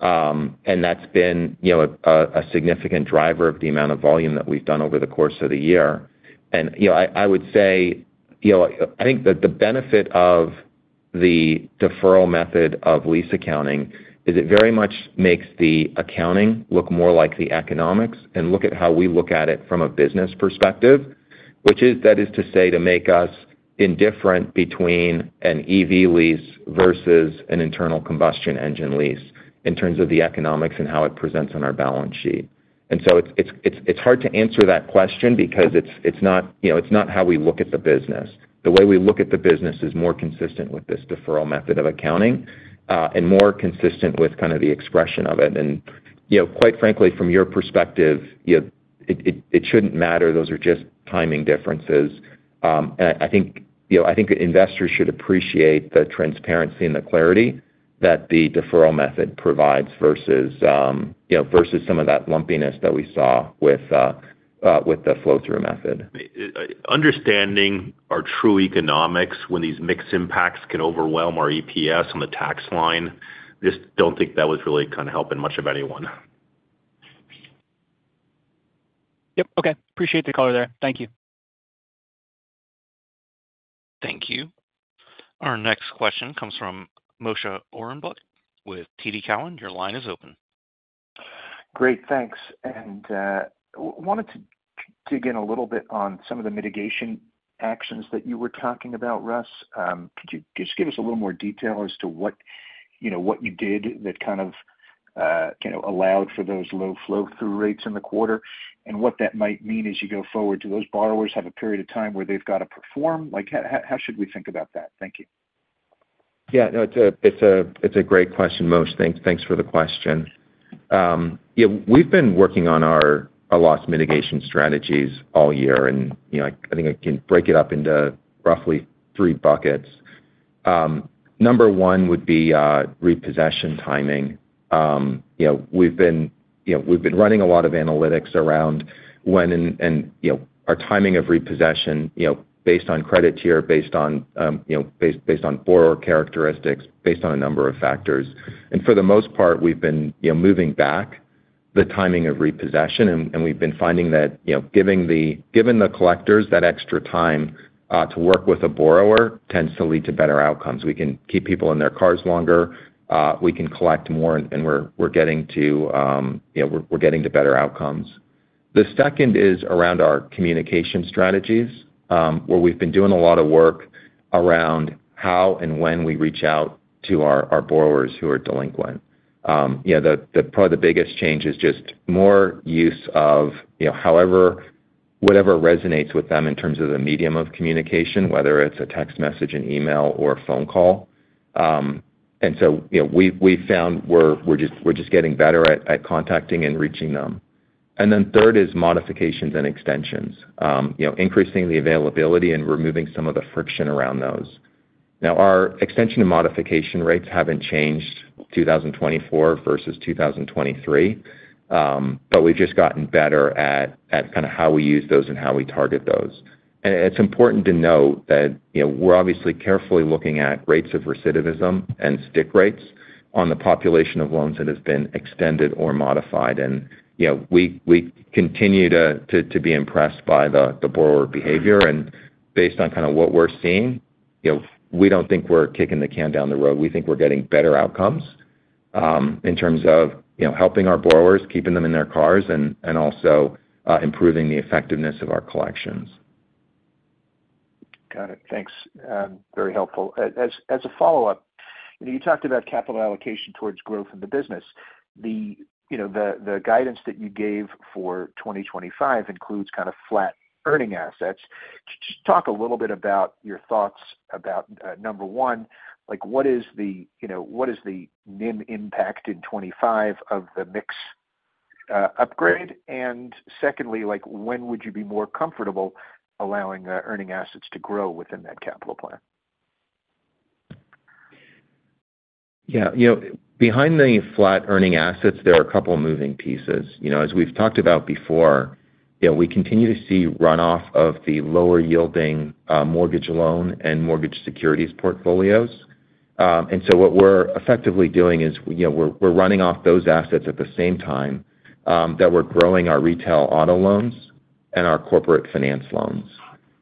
and that's been a significant driver of the amount of volume that we've done over the course of the year. I would say I think that the benefit of the deferral method of lease accounting is it very much makes the accounting look more like the economics and look at how we look at it from a business perspective, which is that is to say to make us indifferent between an EV lease versus an internal combustion engine lease in terms of the economics and how it presents on our balance sheet. And so it's hard to answer that question because it's not how we look at the business. The way we look at the business is more consistent with this deferral method of accounting and more consistent with kind of the expression of it. And quite frankly, from your perspective, it shouldn't matter. Those are just timing differences. And I think investors should appreciate the transparency and the clarity that the deferral method provides versus some of that lumpiness that we saw with the flow-through method. Understanding our true economics when these mix impacts can overwhelm our EPS on the tax line, I just don't think that was really kind of helping much of anyone. Yep. Okay. Appreciate the color there. Thank you. Thank you. Our next question comes from Moshe Orenbuch with TD Cowen. Your line is open. Great. Thanks. And wanted to dig in a little bit on some of the mitigation actions that you were talking about, Russ. Could you just give us a little more detail as to what you did that kind of allowed for those low flow-through rates in the quarter and what that might mean as you go forward? Do those borrowers have a period of time where they've got to perform? How should we think about that? Thank you. Yeah. No, it's a great question, Moshe. Thanks for the question. We've been working on our loss mitigation strategies all year, and I think I can break it up into roughly three buckets. Number one would be repossession timing. We've been running a lot of analytics around when and our timing of repossession based on credit tier, based on borrower characteristics, based on a number of factors. For the most part, we've been moving back the timing of repossession, and we've been finding that given the collectors that extra time to work with a borrower tends to lead to better outcomes. We can keep people in their cars longer. We can collect more, and we're getting to better outcomes. The second is around our communication strategies, where we've been doing a lot of work around how and when we reach out to our borrowers who are delinquent. Probably the biggest change is just more use of whatever resonates with them in terms of the medium of communication, whether it's a text message, an email, or a phone call. So we found we're just getting better at contacting and reaching them. Then third is modifications and extensions, increasing the availability and removing some of the friction around those. Now, our extension and modification rates haven't changed 2024 versus 2023, but we've just gotten better at kind of how we use those and how we target those. And it's important to note that we're obviously carefully looking at rates of recidivism and stick rates on the population of loans that have been extended or modified. And we continue to be impressed by the borrower behavior. And based on kind of what we're seeing, we don't think we're kicking the can down the road. We think we're getting better outcomes in terms of helping our borrowers, keeping them in their cars, and also improving the effectiveness of our collections. Got it. Thanks. Very helpful. As a follow-up, you talked about capital allocation towards growth in the business. The guidance that you gave for 2025 includes kind of flat earning assets. Just talk a little bit about your thoughts about number one, what is the NIM impact in 2025 of the mix upgrade? And secondly, when would you be more comfortable allowing earning assets to grow within that capital plan? Yeah. Behind the flat earning assets, there are a couple of moving pieces. As we've talked about before, we continue to see runoff of the lower-yielding mortgage loan and mortgage securities portfolios. And so what we're effectively doing is we're running off those assets at the same time that we're growing our Retail Auto loans and our Corporate Finance loans.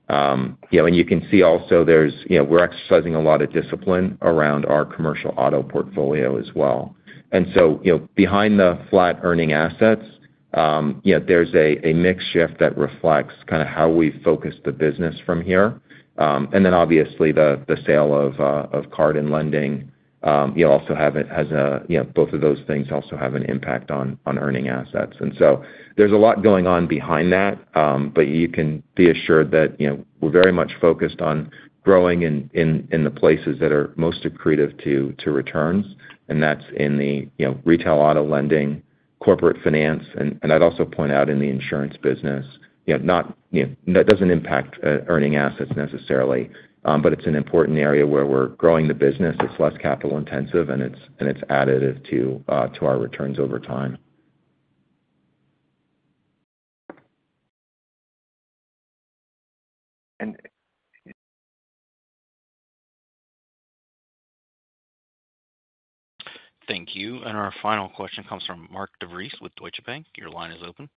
And you can see also we're exercising a lot of discipline around our Commercial Auto portfolio as well. And so behind the flat earning assets, there's a mix shift that reflects kind of how we focus the business from here. And then, obviously, the sale of card and lending also has an impact. Both of those things also have an impact on earning assets. And so there's a lot going on behind that, but you can be assured that we're very much focused on growing in the places that are most accretive to returns. And that's in the Retail Auto lending, Corporate Finance, and I'd also point out in the Insurance business. That doesn't impact earning assets necessarily, but it's an important area where we're growing the business. It's less capital intensive, and it's additive to our returns over time. And thank you. And our final question comes from Mark DeVries with Deutsche Bank. Your line is open.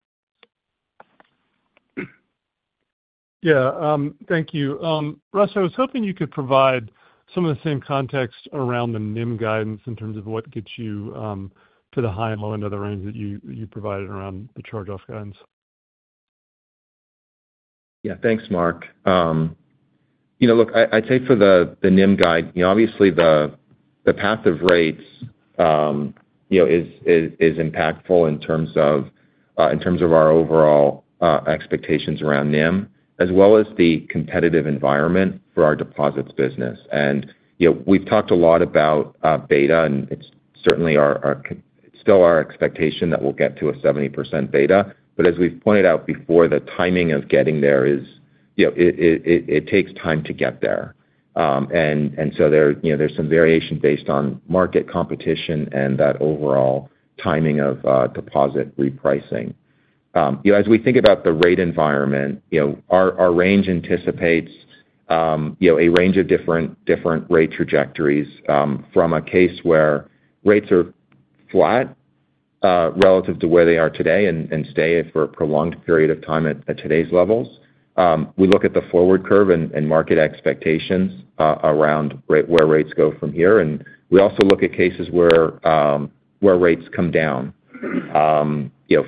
Yeah. Thank you. Russ, I was hoping you could provide some of the same context around the NIM guidance in terms of what gets you to the high and low end of the range that you provided around the charge-off guidance. Yeah. Thanks, Mark. Look, I'd say for the NIM guide, obviously, the path of rates is impactful in terms of our overall expectations around NIM, as well as the competitive environment for our deposits business. And we've talked a lot about beta, and it's certainly still our expectation that we'll get to a 70% beta. But as we've pointed out before, the timing of getting there is. It takes time to get there. And so there's some variation based on market competition and that overall timing of deposit repricing. As we think about the rate environment, our range anticipates a range of different rate trajectories from a case where rates are flat relative to where they are today and stay for a prolonged period of time at today's levels. We look at the forward curve and market expectations around where rates go from here. And we also look at cases where rates come down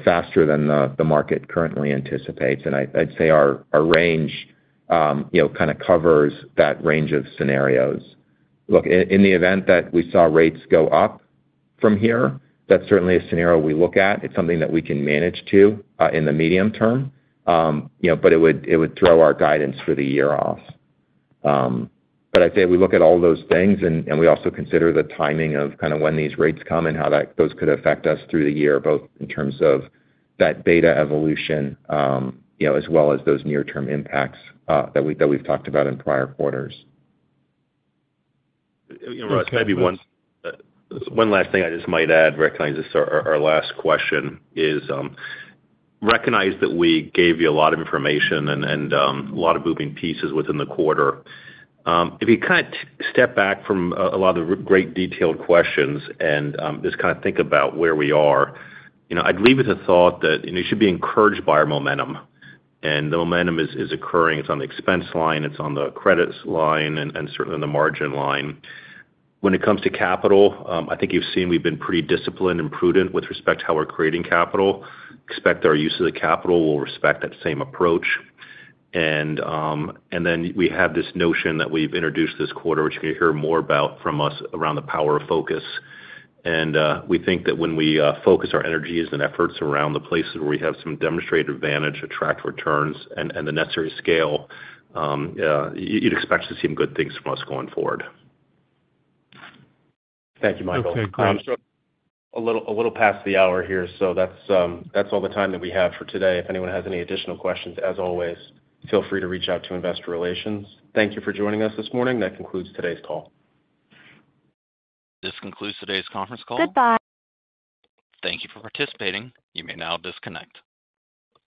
faster than the market currently anticipates. And I'd say our range kind of covers that range of scenarios. Look, in the event that we saw rates go up from here, that's certainly a scenario we look at. It's something that we can manage to in the medium term, but it would throw our guidance for the year off. But I'd say we look at all those things, and we also consider the timing of kind of when these rates come and how those could affect us through the year, both in terms of that beta evolution as well as those near-term impacts that we've talked about in prior quarters. Russ, maybe one last thing I just might add, recognizing this is our last question, is recognize that we gave you a lot of information and a lot of moving pieces within the quarter. If you kind of step back from a lot of the great detailed questions and just kind of think about where we are, I'd leave with a thought that you should be encouraged by our momentum. And the momentum is occurring. It's on the expense line. It's on the credits line, and certainly on the margin line. When it comes to capital, I think you've seen we've been pretty disciplined and prudent with respect to how we're creating capital. Expect our use of the capital. We'll respect that same approach. And then we have this notion that we've introduced this quarter, which you can hear more about from us around the power of focus. And we think that when we focus our energies and efforts around the places where we have some demonstrated advantage, attract returns, and the necessary scale, you'd expect to see some good things from us going forward. Thank you, Michael. Okay. A little past the hour here, so that's all the time that we have for today. If anyone has any additional questions, as always, feel free to reach out to Investor Relations. Thank you for joining us this morning. That concludes today's call. This concludes today's conference call. Goodbye. Thank you for participating. You may now disconnect.